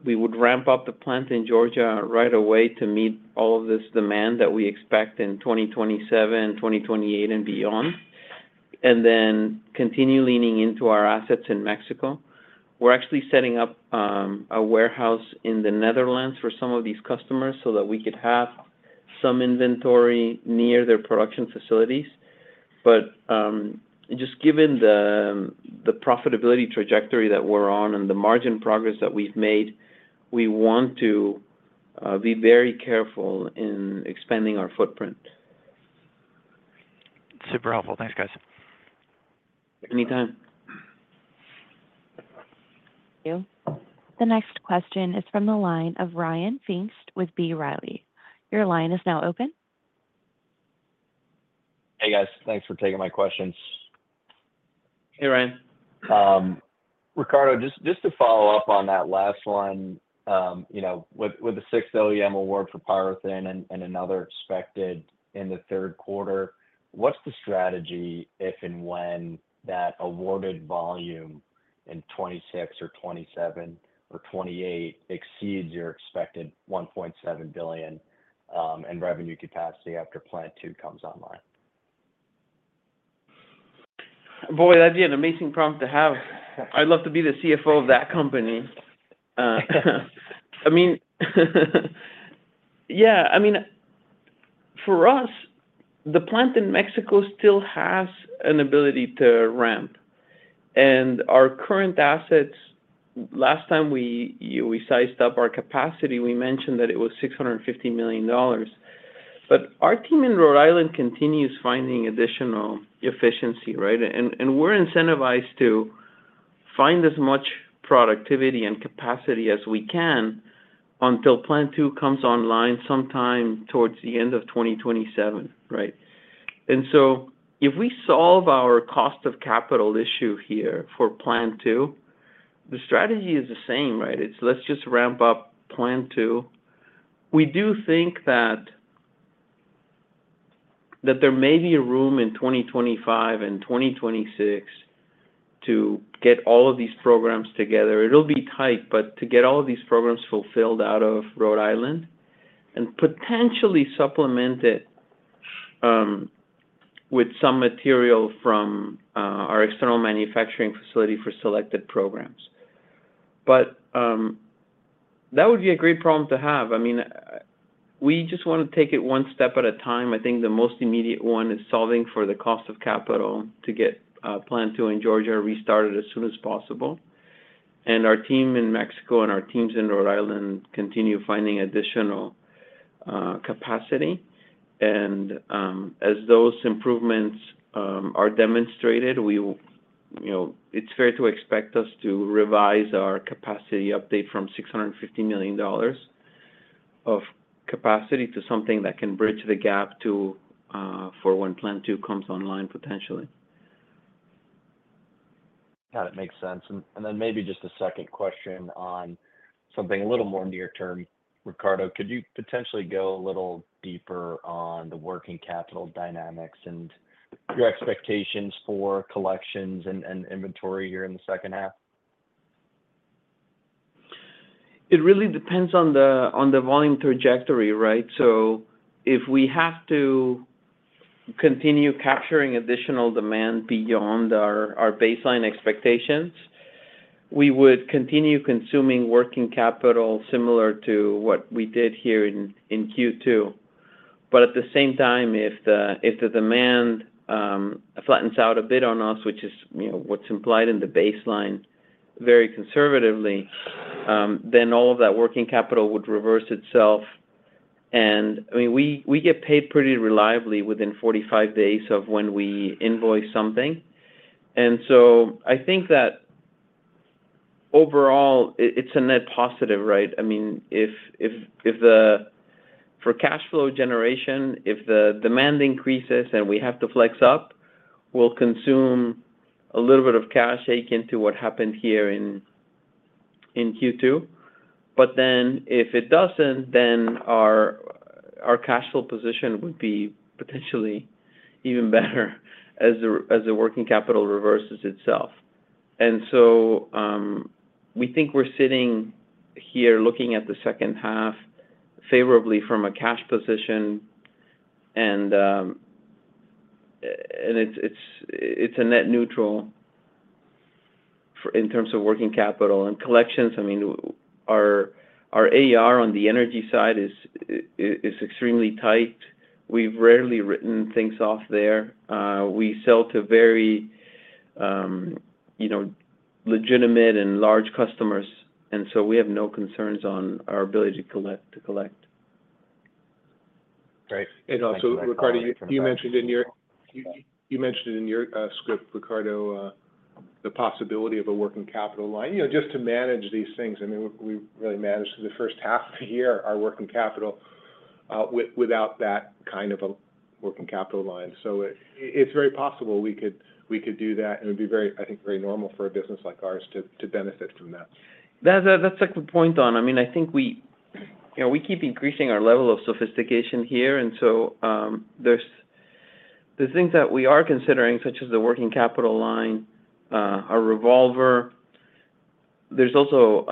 we would ramp up the plant in Georgia right away to meet all of this demand that we expect in 2027, 2028, and beyond, and then continue leaning into our assets in Mexico. We're actually setting up a warehouse in the Netherlands for some of these customers so that we could have some inventory near their production facilities. But just given the profitability trajectory that we're on and the margin progress that we've made, we want to be very careful in expanding our footprint. Super helpful. Thanks, guys. Anytime. Thank you. The next question is from the line of Ryan Pfingst with B. Riley. Your line is now open. Hey, guys. Thanks for taking my questions. Hey, Ryan. Ricardo, just, just to follow up on that last one, you know, with, with the sixth OEM award for PyroThin and, and another expected in the third quarter, what's the strategy if and when that awarded volume in 2026 or 2027 or 2028 exceeds your expected $1.7 billion in revenue capacity after Plant Two comes online? Boy, that'd be an amazing problem to have. I'd love to be the CFO of that company. I mean, yeah, I mean, for us, the plant in Mexico still has an ability to ramp, and our current assets. Last time we sized up our capacity, we mentioned that it was $650 million. But our team in Rhode Island continues finding additional efficiency, right? And we're incentivized to find as much productivity and capacity as we can until Plant Two comes online sometime towards the end of 2027, right? And so if we solve our cost of capital issue here for Plant Two, the strategy is the same, right? It's let's just ramp up Plant Two. We do think that there may be a room in 2025 and 2026 to get all of these programs together. It'll be tight, but to get all of these programs fulfilled out of Rhode Island and potentially supplement it with some material from our external manufacturing facility for selected programs. But that would be a great problem to have. I mean, we just wanna take it one step at a time. I think the most immediate one is solving for the cost of capital to get Plant Two in Georgia restarted as soon as possible. And our team in Mexico and our teams in Rhode Island continue finding additional capacity. And as those improvements are demonstrated, we will, you know, it's fair to expect us to revise our capacity update from $650 million of capacity to something that can bridge the gap to for when Plant Two comes online, potentially. That makes sense. And then maybe just a second question on something a little more near term, Ricardo. Could you potentially go a little deeper on the working capital dynamics and your expectations for collections and inventory here in the second half? It really depends on the volume trajectory, right? So if we have to continue capturing additional demand beyond our baseline expectations, we would continue consuming working capital, similar to what we did here in Q2. But at the same time, if the demand flattens out a bit on us, which is, you know, what's implied in the baseline very conservatively, then all of that working capital would reverse itself. And, I mean, we get paid pretty reliably within 45 days of when we invoice something. And so I think that overall, it, it's a net positive, right? I mean, if the—for cash flow generation, if the demand increases and we have to flex up, we'll consume a little bit of cash, akin to what happened here in Q2. But then, if it doesn't, then our cash flow position would be potentially even better as the working capital reverses itself. And so, we think we're sitting here looking at the second half favorably from a cash position, and it's a net neutral in terms of working capital. And collections, I mean, our AR on the energy side is extremely tight. We've rarely written things off there. We sell to very you know, legitimate and large customers, and so we have no concerns on our ability to collect. Great. And also, Ricardo, you mentioned it in your script, Ricardo, the possibility of a working capital line, you know, just to manage these things. I mean, we really managed through the first half of the year, our working capital, without that kind of a working capital line. So it's very possible we could do that, and it'd be very, I think, very normal for a business like ours to benefit from that. That's a good point, Don. I mean, I think we, you know, we keep increasing our level of sophistication here, and so there's things that we are considering, such as the working capital line, a revolver. There's also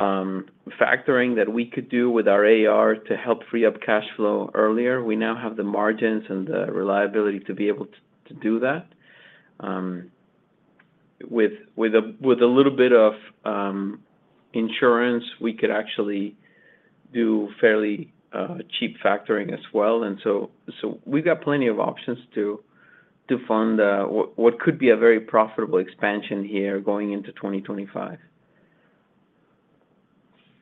factoring that we could do with our AR to help free up cash flow earlier. We now have the margins and the reliability to be able to do that. With a little bit of insurance, we could actually do fairly cheap factoring as well. So we've got plenty of options to fund what could be a very profitable expansion here going into 2025.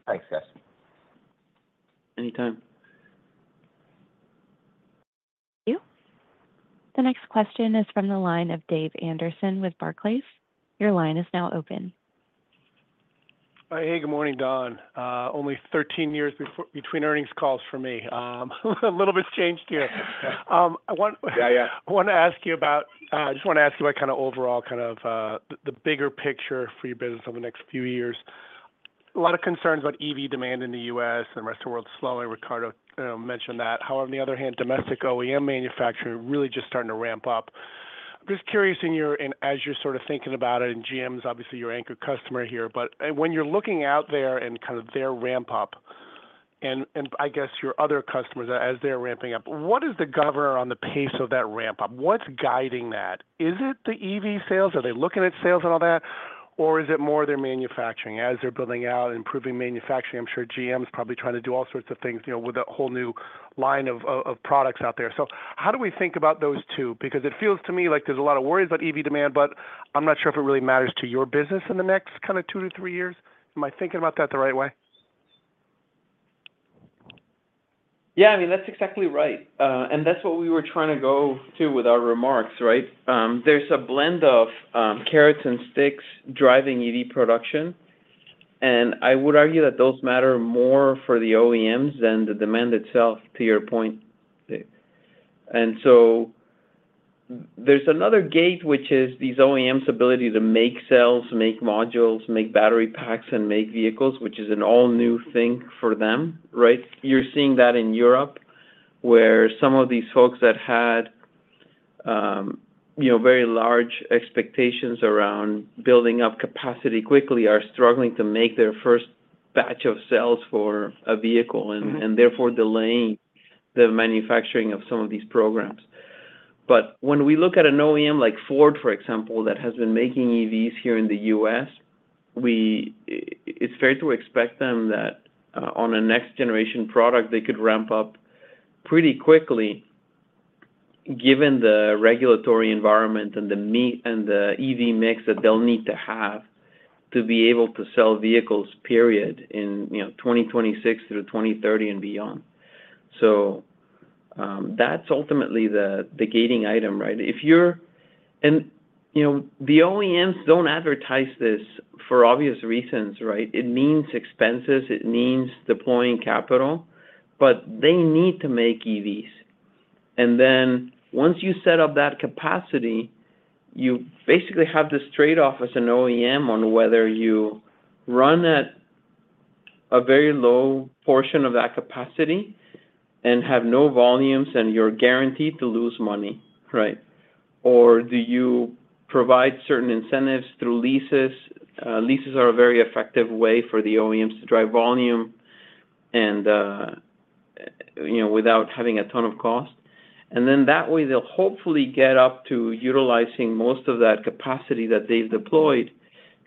Thanks, guys. Anytime. Thank you. The next question is from the line of Dave Anderson with Barclays. Your line is now open. Hey, good morning, Don. Only 13 years between earnings calls for me. A little bit's changed here. I want- Yeah, yeah I wanna ask you about, I just wanna ask you about kind of overall, kind of, the, the bigger picture for your business over the next few years. A lot of concerns about EV demand in the U.S. and the rest of the world slowing, Ricardo, you know, mentioned that. However, on the other hand, domestic OEM manufacturing really just starting to ramp up. I'm just curious, in your - and as you're sort of thinking about it, and GM's obviously your anchor customer here, but when you're looking out there and kind of their ramp up and, and I guess your other customers as they're ramping up, what is the governor on the pace of that ramp up? What's guiding that? Is it the EV sales? Are they looking at sales and all that, or is it more their manufacturing? As they're building out, improving manufacturing, I'm sure GM is probably trying to do all sorts of things, you know, with a whole new line of of products out there. So how do we think about those two? Because it feels to me like there's a lot of worries about EV demand, but I'm not sure if it really matters to your business in the next kind of two to three years. Am I thinking about that the right way? Yeah, I mean, that's exactly right. And that's what we were trying to go to with our remarks, right? There's a blend of carrots and sticks driving EV production, and I would argue that those matter more for the OEMs than the demand itself, to your point, Dave. And so there's another gate, which is these OEMs' ability to make cells, make modules, make battery packs, and make vehicles, which is an all-new thing for them, right? You're seeing that in Europe, where some of these folks that, you know, very large expectations around building up capacity quickly are struggling to make their first batch of sales for a vehicle. Mm-hmm. and therefore delaying the manufacturing of some of these programs. But when we look at an OEM like Ford, for example, that has been making EVs here in the U.S., we, it's fair to expect them that, on a next generation product, they could ramp up pretty quickly, given the regulatory environment and the and the EV mix that they'll need to have to be able to sell vehicles, period, in, you know, 2026 through 2030 and beyond. So, that's ultimately the, the gating item, right? If you're and, you know, the OEMs don't advertise this for obvious reasons, right? It means expenses, it means deploying capital, but they need to make EVs. And then once you set up that capacity, you basically have this trade-off as an OEM on whether you run at a very low portion of that capacity and have no volumes, and you're guaranteed to lose money, right? Or do you provide certain incentives through leases? Leases are a very effective way for the OEMs to drive volume and, you know, without having a ton of cost. And then that way, they'll hopefully get up to utilizing most of that capacity that they've deployed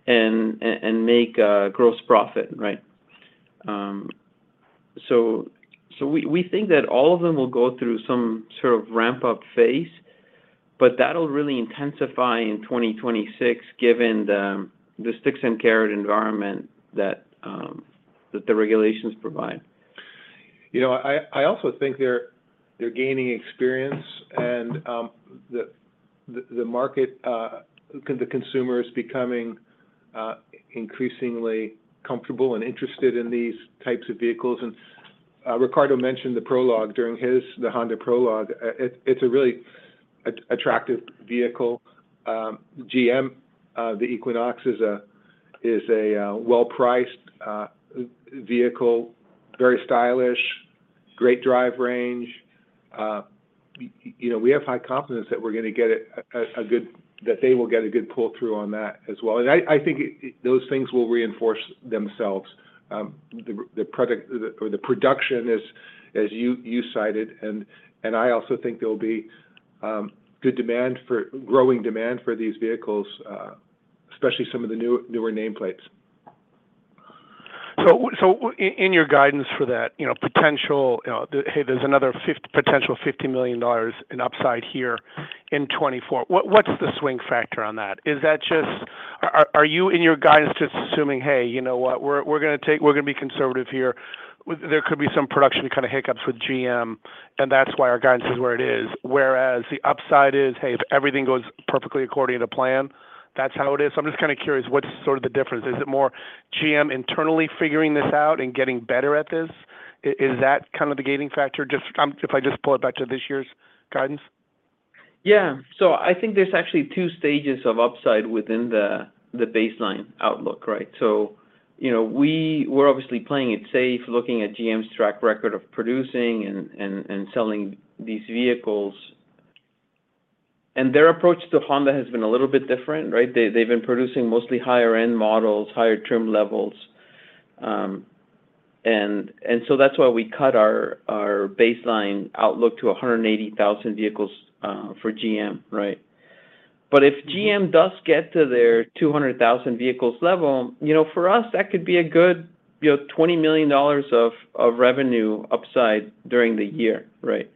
and and make gross profit, right? So we think that all of them will go through some sort of ramp-up phase, but that'll really intensify in 2026, given the sticks and carrot environment that the regulations provide. You know, I also think they're gaining experience and the market, the consumer is becoming increasingly comfortable and interested in these types of vehicles. And Ricardo mentioned the Prologue during his... the Honda Prologue. It's a really attractive vehicle. GM, the Equinox is a well-priced vehicle, very stylish, great drive range. You know, we have high confidence that we're gonna get a good—that they will get a good pull-through on that as well. And I think those things will reinforce themselves. The production, as you cited, and I also think there'll be growing demand for these vehicles, especially some of the newer nameplates. So in your guidance for that, you know, potential, you know, hey, there's another potential $50 million in upside here in 2024. What's the swing factor on that? Is that just are you, in your guidance, just assuming, "Hey, you know what? We're gonna be conservative here. There could be some production kind of hiccups with GM, and that's why our guidance is where it is." Whereas the upside is, hey, if everything goes perfectly according to plan, that's how it is. So I'm just kind of curious, what's sort of the difference? Is it more GM internally figuring this out and getting better at this? Is that kind of the gating factor? Just, if I just pull it back to this year's guidance. Yeah. So I think there's actually two stages of upside within the baseline outlook, right? So, you know, we're obviously playing it safe, looking at GM's track record of producing and selling these vehicles. And their approach to Honda has been a little bit different, right? They've been producing mostly higher-end models, higher trim levels. So that's why we cut our baseline outlook to 180,000 vehicles for GM, right? But if GM does get to their 200,000 vehicles level, you know, for us, that could be a good, you know, $20 million of revenue upside during the year, right?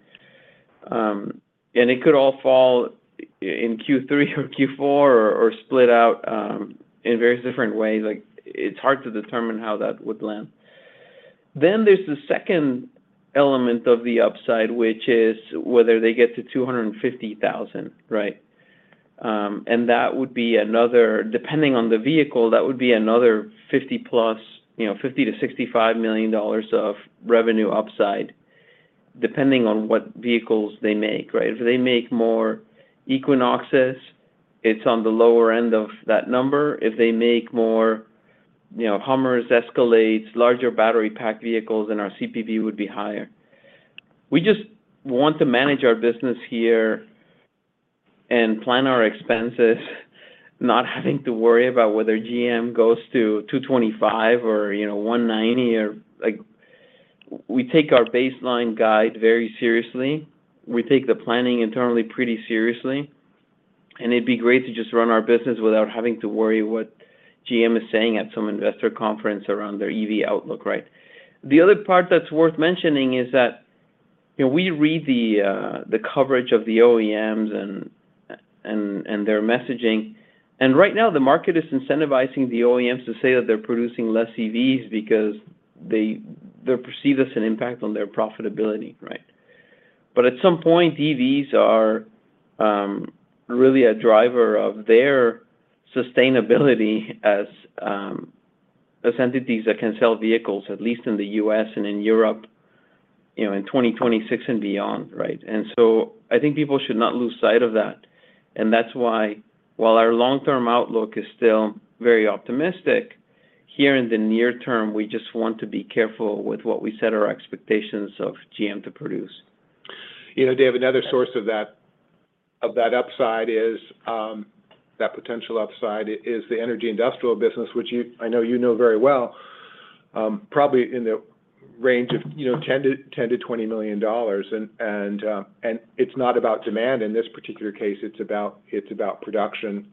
And it could all fall in Q3 or Q4 or split out in various different ways. Like, it's hard to determine how that would land. Then there's the second element of the upside, which is whether they get to 250,000, right? And that would be another. Depending on the vehicle, that would be another 50+, you know, $50 million-$65 million of revenue upside, depending on what vehicles they make, right? If they make more Equinoxes, it's on the lower end of that number. If they make more, you know, Hummers, Escalades, larger battery pack vehicles, then our CPV would be higher. We just want to manage our business here and plan our expenses, not having to worry about whether GM goes to 225 or, you know, 190, or, like, we take our baseline guide very seriously. We take the planning internally pretty seriously, and it'd be great to just run our business without having to worry what GM is saying at some investor conference around their EV outlook, right? The other part that's worth mentioning is that, you know, we read the coverage of the OEMs and their messaging, and right now, the market is incentivizing the OEMs to say that they're producing less EVs because they're perceived as an impact on their profitability, right? But at some point, EVs are really a driver of their sustainability as entities that can sell vehicles, at least in the U.S. and in Europe, you know, in 2026 and beyond, right? And so I think people should not lose sight of that. And that's why, while our long-term outlook is still very optimistic- Here in the near term, we just want to be careful with what we set our expectations of GM to produce. You know, Dave, another source of that, of that upside is that potential upside is the Energy Industrial business, which you, I know you know very well, probably in the range of, you know, $10 million-$20 million. And it's not about demand in this particular case, it's about production,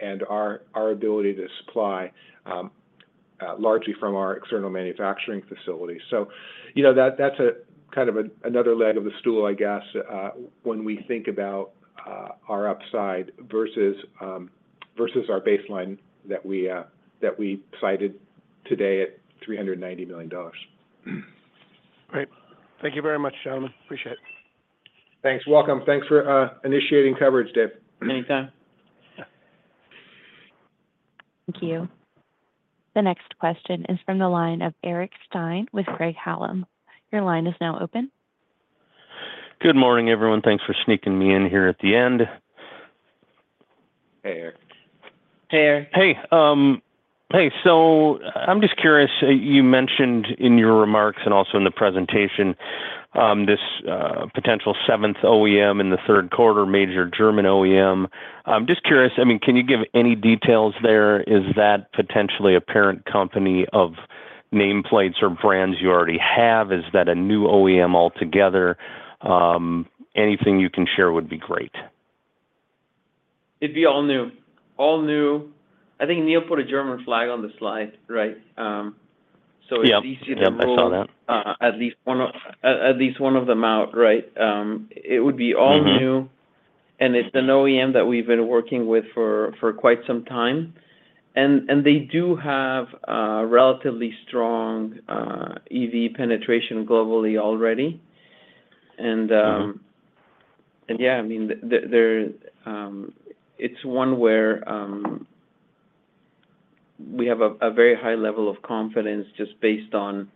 and our ability to supply largely from our external manufacturing facilities. So, you know, that's a kind of another leg of the stool, I guess, when we think about our upside versus our baseline that we cited today at $390 million. Great. Thank you very much, gentlemen. Appreciate it. Thanks. Welcome. Thanks for initiating coverage, Dave. Anytime. Thank you. The next question is from the line of Eric Stine with Craig-Hallum. Your line is now open. Good morning, everyone. Thanks for sneaking me in here at the end. Hey, Eric. Hey, Eric. Hey, hey, so I'm just curious. You mentioned in your remarks and also in the presentation this potential seventh OEM in the third quarter, major German OEM. I'm just curious, I mean, can you give any details there? Is that potentially a parent company of nameplates or brands you already have? Is that a new OEM altogether? Anything you can share would be great. It'd be all new. All new. I think Neal put a German flag on the slide, right? So- Yep. Yep, I saw that. At least one of them out, right? It would be all- Mm-hmm new, and it's an OEM that we've been working with for quite some time. And they do have a relatively strong EV penetration globally already. Mm-hmm. Yeah, I mean, it's one where we have a very high level of confidence just based on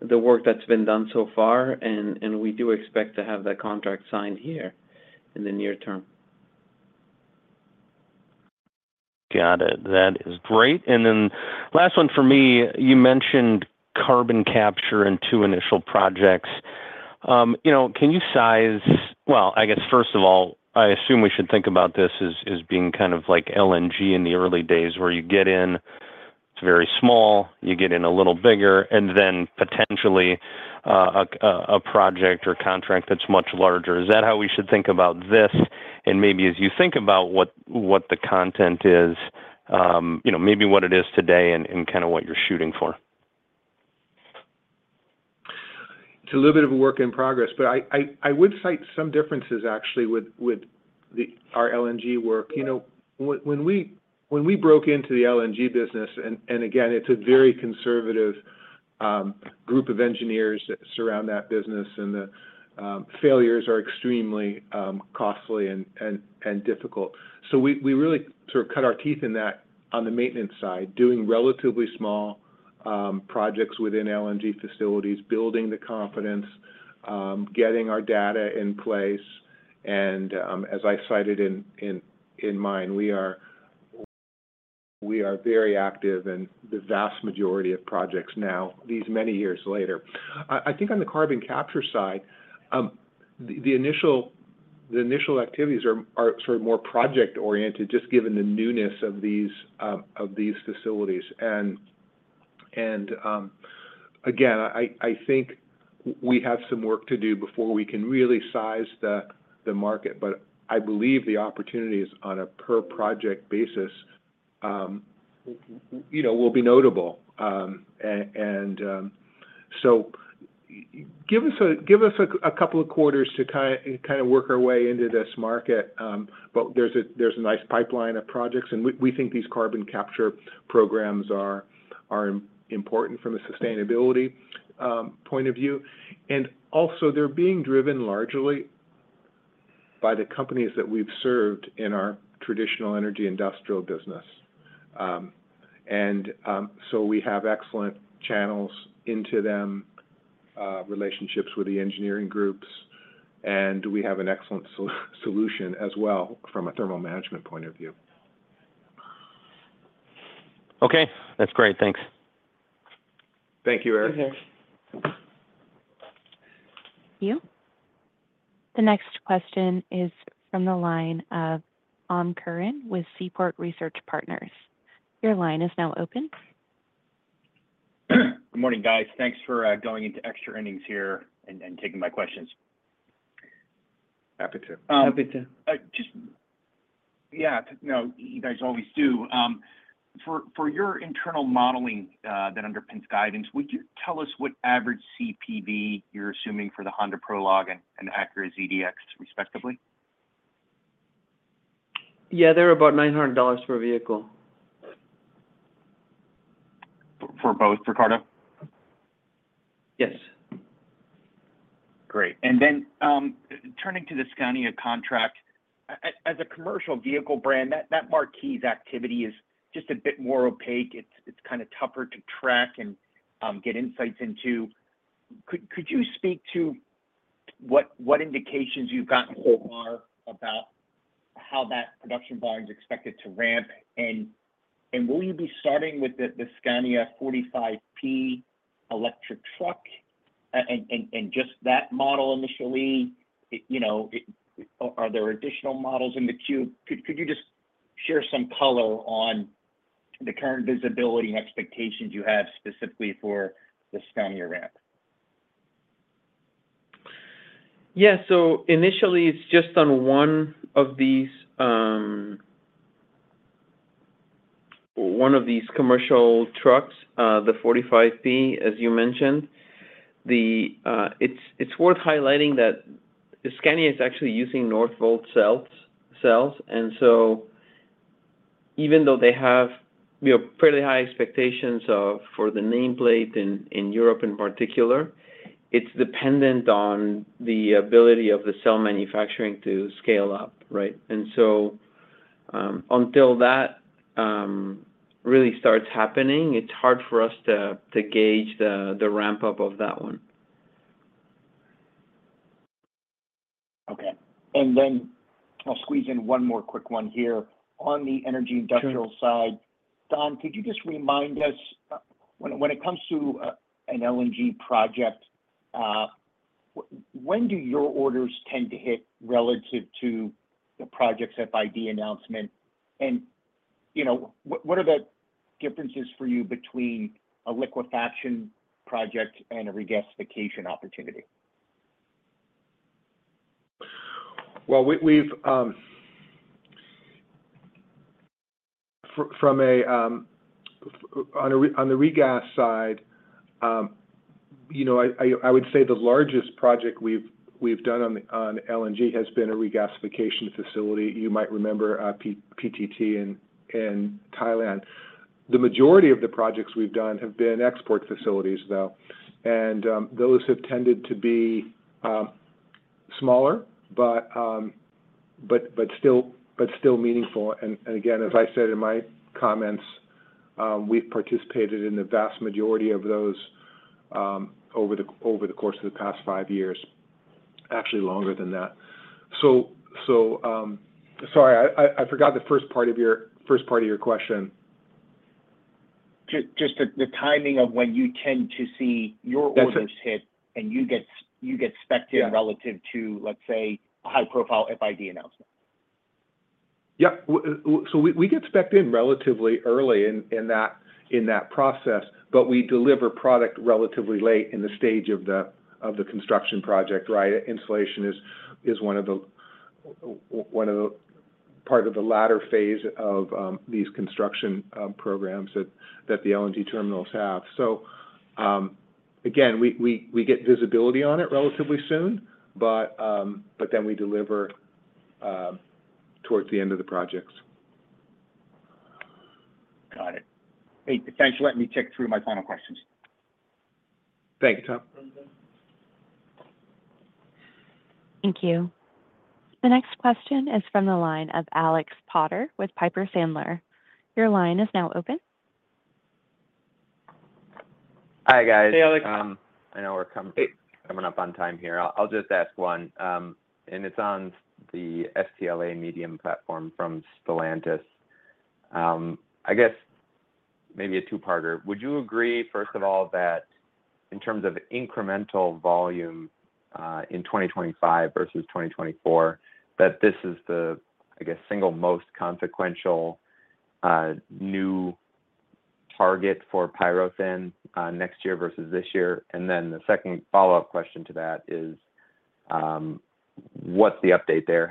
the work that's been done so far, and we do expect to have that contract signed here in the near term. Got it. That is great. And then last one for me, you mentioned carbon capture and two initial projects. You know, can you size. Well, I guess, first of all, I assume we should think about this as, as being kind of like LNG in the early days, where you get in, it's very small, you get in a little bigger, and then potentially a project or contract that's much larger. Is that how we should think about this? And maybe as you think about what the content is, you know, maybe what it is today and kind of what you're shooting for. It's a little bit of a work in progress, but I would cite some differences actually with the—our LNG work. You know, when we broke into the LNG business, and again, it's a very conservative group of engineers that surround that business, and the failures are extremely costly and difficult. So we really sort of cut our teeth in that on the maintenance side, doing relatively small projects within LNG facilities, building the confidence, getting our data in place, and as I cited in mine, we are very active in the vast majority of projects now, these many years later. I think on the carbon capture side, the initial activities are sort of more project-oriented, just given the newness of these facilities. And again, I think we have some work to do before we can really size the market, but I believe the opportunities on a per-project basis, you know, will be notable. So give us a couple of quarters to kind of work our way into this market, but there's a nice pipeline of projects, and we think these carbon capture programs are important from a sustainability point of view. And also, they're being driven largely by the companies that we've served in our traditional Energy Industrial business. We have excellent channels into them, relationships with the engineering groups, and we have an excellent solution as well from a thermal management point of view. Okay. That's great. Thanks. Thank you, Eric. Thanks, Eric. The next question is from the line of Tom Curran with Seaport Research Partners. Your line is now open. Good morning, guys. Thanks for going into extra innings here and taking my questions. Happy to. Happy to. Yeah, no, you guys always do. For your internal modeling that underpins guidance, would you tell us what average CPV you're assuming for the Honda Prologue and Acura ZDX respectively? Yeah, they're about $900 per vehicle. For both, Ricardo? Yes. Great. And then, turning to the Scania contract, as a commercial vehicle brand, that marque's activity is just a bit more opaque. It's kind of tougher to track and get insights into. Could you speak to what indications you've gotten so far about how that production volume is expected to ramp? And will you be starting with the Scania 45P electric truck and just that model initially? You know, are there additional models in the queue? Could you just share some color on the current visibility and expectations you have specifically for the Scania ramp? Yeah. So initially, it's just on one of these commercial trucks, the 45P, as you mentioned. It's worth highlighting that the Scania is actually using Northvolt cells. And so even though they have, you know, pretty high expectations for the nameplate in Europe, in particular, it's dependent on the ability of the cell manufacturing to scale up, right? And so until that really starts happening, it's hard for us to gauge the ramp-up of that one. Okay. And then I'll squeeze in one more quick one here. On the Energy Industrial side- Sure. Don, could you just remind us, when it comes to an LNG project, when do your orders tend to hit relative to the project's FID announcement? And, you know, what are the differences for you between a liquefaction project and a regasification opportunity? Well, we've from a on the regas side, you know, I would say the largest project we've done on LNG has been a regasification facility. You might remember, PTT in Thailand. The majority of the projects we've done have been export facilities, though. And those have tended to be smaller, but still meaningful. And again, as I said in my comments, we've participated in the vast majority of those over the course of the past five years. Actually, longer than that. So, sorry, I forgot the first part of your question. Just the timing of when you tend to see your orders- That's it. hit and you get, you get spec'd in- Yeah relative to, let's say, a high-profile FID announcement. Yeah. So we get spec'd in relatively early in that process, but we deliver product relatively late in the stage of the construction project, right? Insulation is one of the parts of the latter phase of these construction programs that the LNG terminals have. So, again, we get visibility on it relatively soon, but then we deliver towards the end of the projects. Got it. Hey, thanks for letting me tick through my final questions. Thanks, Tom. Thank you. The next question is from the line of Alex Potter with Piper Sandler. Your line is now open. Hi, guys. Hey, Alex. I know we're coming- Hey coming up on time here. I'll, I'll just ask one, and it's on the STLA Medium platform from Stellantis. I guess maybe a two-parter. Would you agree, first of all, that in terms of incremental volume, in 2025 versus 2024, that this is the, I guess, single most consequential, new target for PyroThin, next year versus this year? And then the second follow-up question to that is, what's the update there?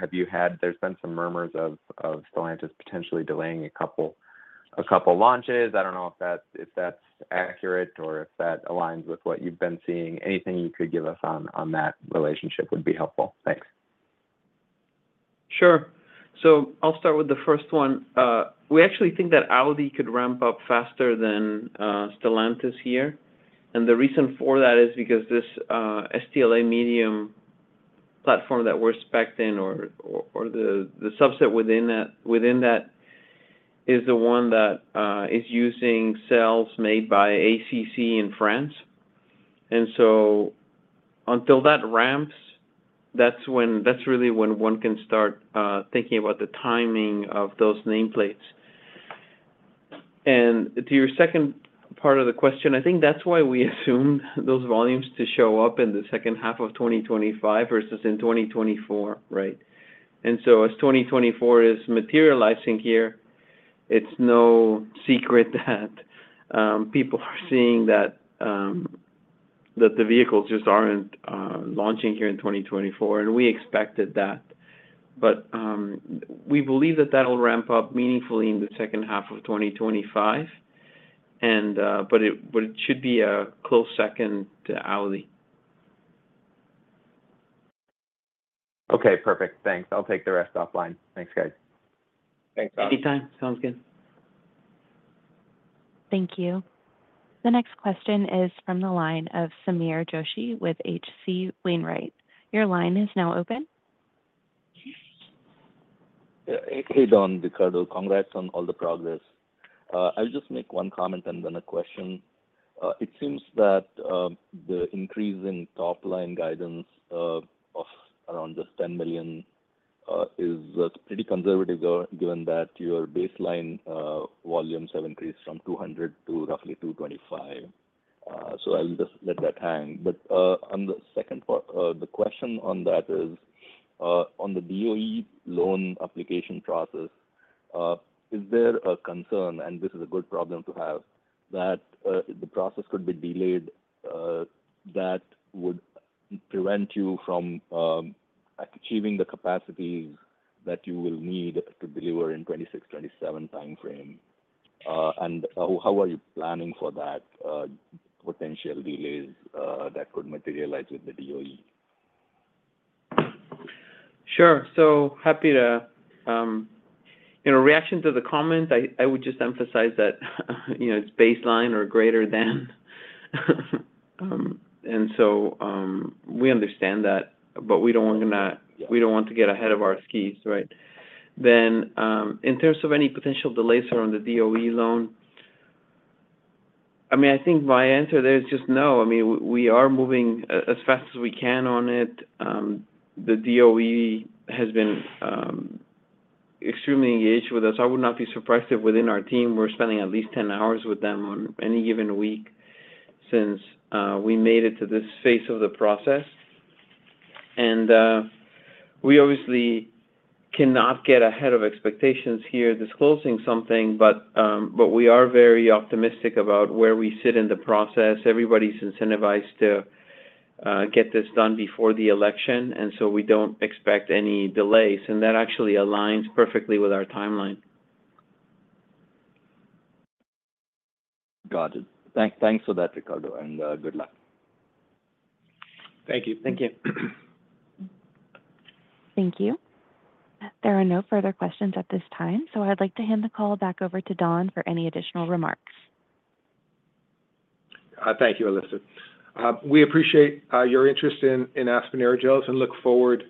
There's been some murmurs of Stellantis potentially delaying a couple launches. I don't know if that's accurate or if that aligns with what you've been seeing. Anything you could give us on that relationship would be helpful. Thanks. Sure. So I'll start with the first one. We actually think that Audi could ramp up faster than Stellantis here. And the reason for that is because this STLA Medium platform that we're spec'd in, or the subset within that, is the one that is using cells made by ACC in France. And so until that ramps, that's when-- that's really when one can start thinking about the timing of those nameplates. And to your second part of the question, I think that's why we assumed those volumes to show up in the second half of 2025 versus in 2024, right? And so as 2024 is materializing here, it's no secret that people are seeing that the vehicles just aren't launching here in 2024, and we expected that. We believe that that'll ramp up meaningfully in the second half of 2025, but it should be a close second to Audi. Okay, perfect. Thanks. I'll take the rest offline. Thanks, guys. Thanks, Alex. Anytime. Sounds good. Thank you. The next question is from the line of Sameer Joshi with H.C. Wainwright. Your line is now open. Yeah, hey, Don, Ricardo. Congrats on all the progress. I'll just make one comment and then a question. It seems that the increase in top-line guidance of around just $10 million is pretty conservative, given that your baseline volumes have increased from 200 to roughly 225. So I'll just let that hang. But on the second part, the question on that is on the DOE loan application process, is there a concern, and this is a good problem to have, that the process could be delayed that would prevent you from achieving the capacities that you will need to deliver in 2026, 2027 timeframe? And how are you planning for that potential delays that could materialize with the DOE? Sure. So happy to. In reaction to the comment, I, I would just emphasize that, you know, it's baseline or greater than. And so, we understand that, but we don't wanna, we don't want to get ahead of our skis, right? Then, in terms of any potential delays on the DOE loan, I mean, I think my answer there is just no. I mean, we, we are moving as fast as we can on it. The DOE has been extremely engaged with us. I would not be surprised if within our team, we're spending at least 10 hours with them on any given week since we made it to this phase of the process. And we obviously cannot get ahead of expectations here disclosing something, but, but we are very optimistic about where we sit in the process. Everybody's incentivized to get this done before the election, and so we don't expect any delays, and that actually aligns perfectly with our timeline. Got it. Thanks for that, Ricardo, and good luck. Thank you. Thank you. Thank you. There are no further questions at this time, so I'd like to hand the call back over to Don for any additional remarks. Thank you, Alyssa. We appreciate your interest in Aspen Aerogels and look forward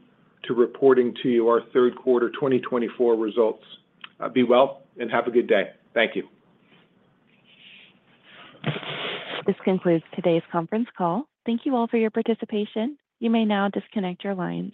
to reporting to you our third quarter 2024 results. Be well, and have a good day. Thank you. This concludes today's conference call. Thank you all for your participation. You may now disconnect your lines.